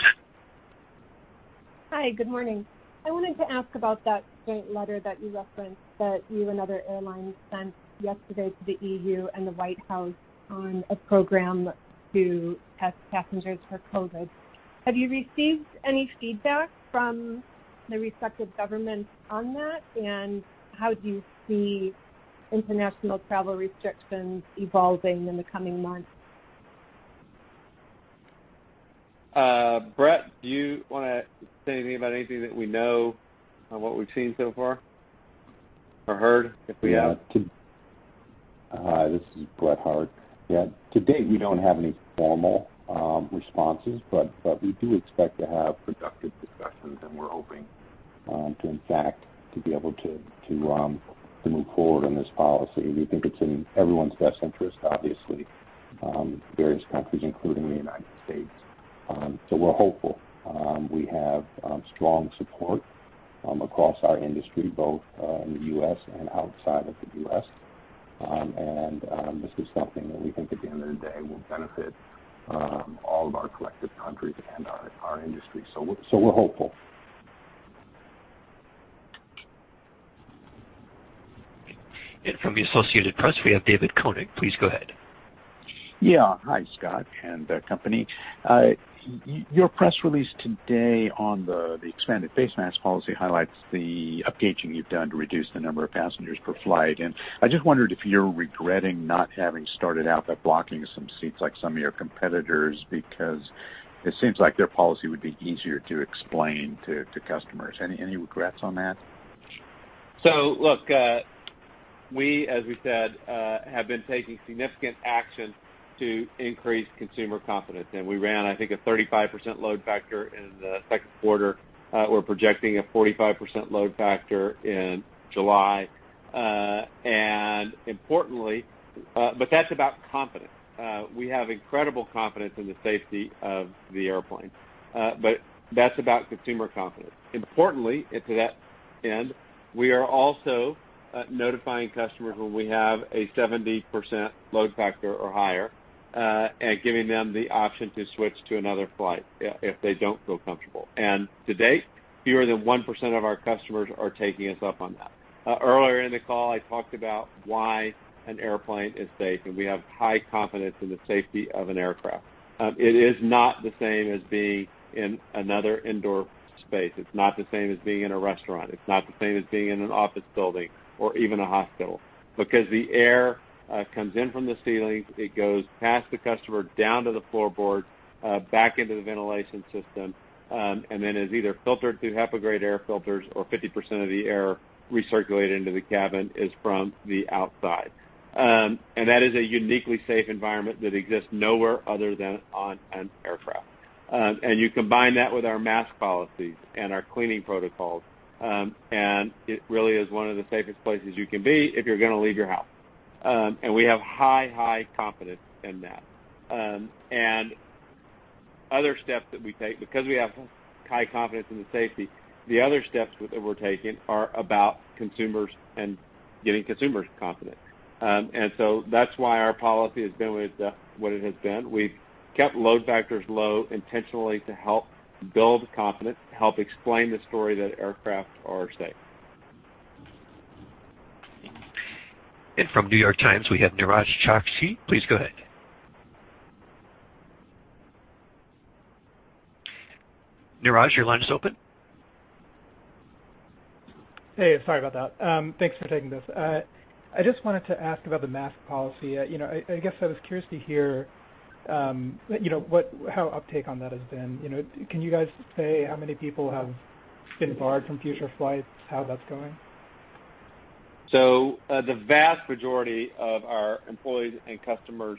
Hi. Good morning. I wanted to ask about that joint letter that you referenced that you and other airlines sent yesterday to the EU and the White House on a program to test passengers for COVID. Have you received any feedback from the respective governments on that? How do you see international travel restrictions evolving in the coming months? Brett, do you want to say anything about anything that we know on what we've seen so far or heard? This is Brett Hart. To date, we don't have any formal responses, but we do expect to have productive discussions, and we're hoping to, in fact, to be able to move forward on this policy. We think it's in everyone's best interest, obviously, various countries, including the United States. We're hopeful. We have strong support across our industry, both in the U.S. and outside of the U.S., and this is something that we think at the end of the day will benefit all of our collective countries and our industry. We're hopeful. From the Associated Press, we have David Koenig. Please go ahead. Yeah. Hi, Scott and company. Your press release today on the expanded face mask policy highlights the upgauging you've done to reduce the number of passengers per flight. I just wondered if you're regretting not having started out by blocking some seats like some of your competitors, because it seems like their policy would be easier to explain to customers. Any regrets on that? Look, we, as we said, have been taking significant action to increase consumer confidence. We ran, I think, a 35% load factor in the second quarter. We're projecting a 45% load factor in July. That's about confidence. We have incredible confidence in the safety of the airplane, but that's about consumer confidence. Importantly, to that end, we are also notifying customers when we have a 70% load factor or higher, and giving them the option to switch to another flight if they don't feel comfortable. To date, fewer than 1% of our customers are taking us up on that. Earlier in the call, I talked about why an airplane is safe, and we have high confidence in the safety of an aircraft. It is not the same as being in another indoor space. It's not the same as being in a restaurant. It's not the same as being in an office building or even a hospital. The air comes in from the ceilings, it goes past the customer, down to the floorboard, back into the ventilation system, and then is either filtered through HEPA-grade air filters or 50% of the air recirculated into the cabin is from the outside. That is a uniquely safe environment that exists nowhere other than on an aircraft. You combine that with our mask policies and our cleaning protocols, and it really is one of the safest places you can be if you're going to leave your house. We have high confidence in that. Other steps that we take, because we have high confidence in the safety, the other steps that we're taking are about consumers and getting consumers confident. That's why our policy has been what it has been. We've kept load factors low intentionally to help build confidence, to help explain the story that aircraft are safe. From The New York Times, we have Niraj Chokshi. Please go ahead. Niraj, your line is open. Hey, sorry about that. Thanks for taking this. I just wanted to ask about the mask policy. I guess I was curious to hear how uptake on that has been. Can you guys say how many people have been barred from future flights, how that's going? The vast majority of our employees and customers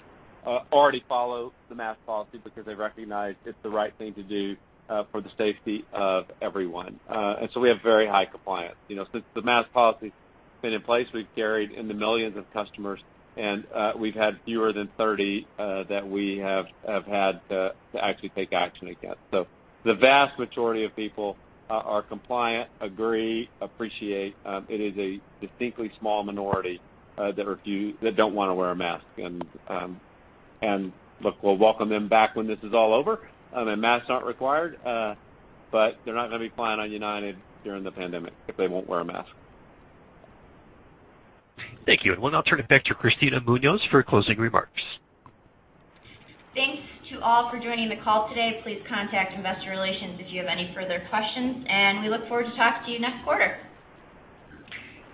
already follow the mask policy because they recognize it's the right thing to do for the safety of everyone. We have very high compliance. Since the mask policy's been in place, we've carried in the millions of customers, and we've had fewer than 30 that we have had to actually take action against. The vast majority of people are compliant, agree, appreciate. It is a distinctly small minority that don't want to wear a mask. Look, we'll welcome them back when this is all over and masks aren't required, but they're not going to be flying on United during the pandemic if they won't wear a mask. Thank you. We'll now turn it back to Kristina Munoz for closing remarks. Thanks to all for joining the call today. Please contact Investor Relations if you have any further questions, and we look forward to talking to you next quarter.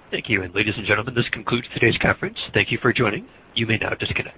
Thank you. Ladies and gentlemen, this concludes today's conference. Thank you for joining. You may now disconnect.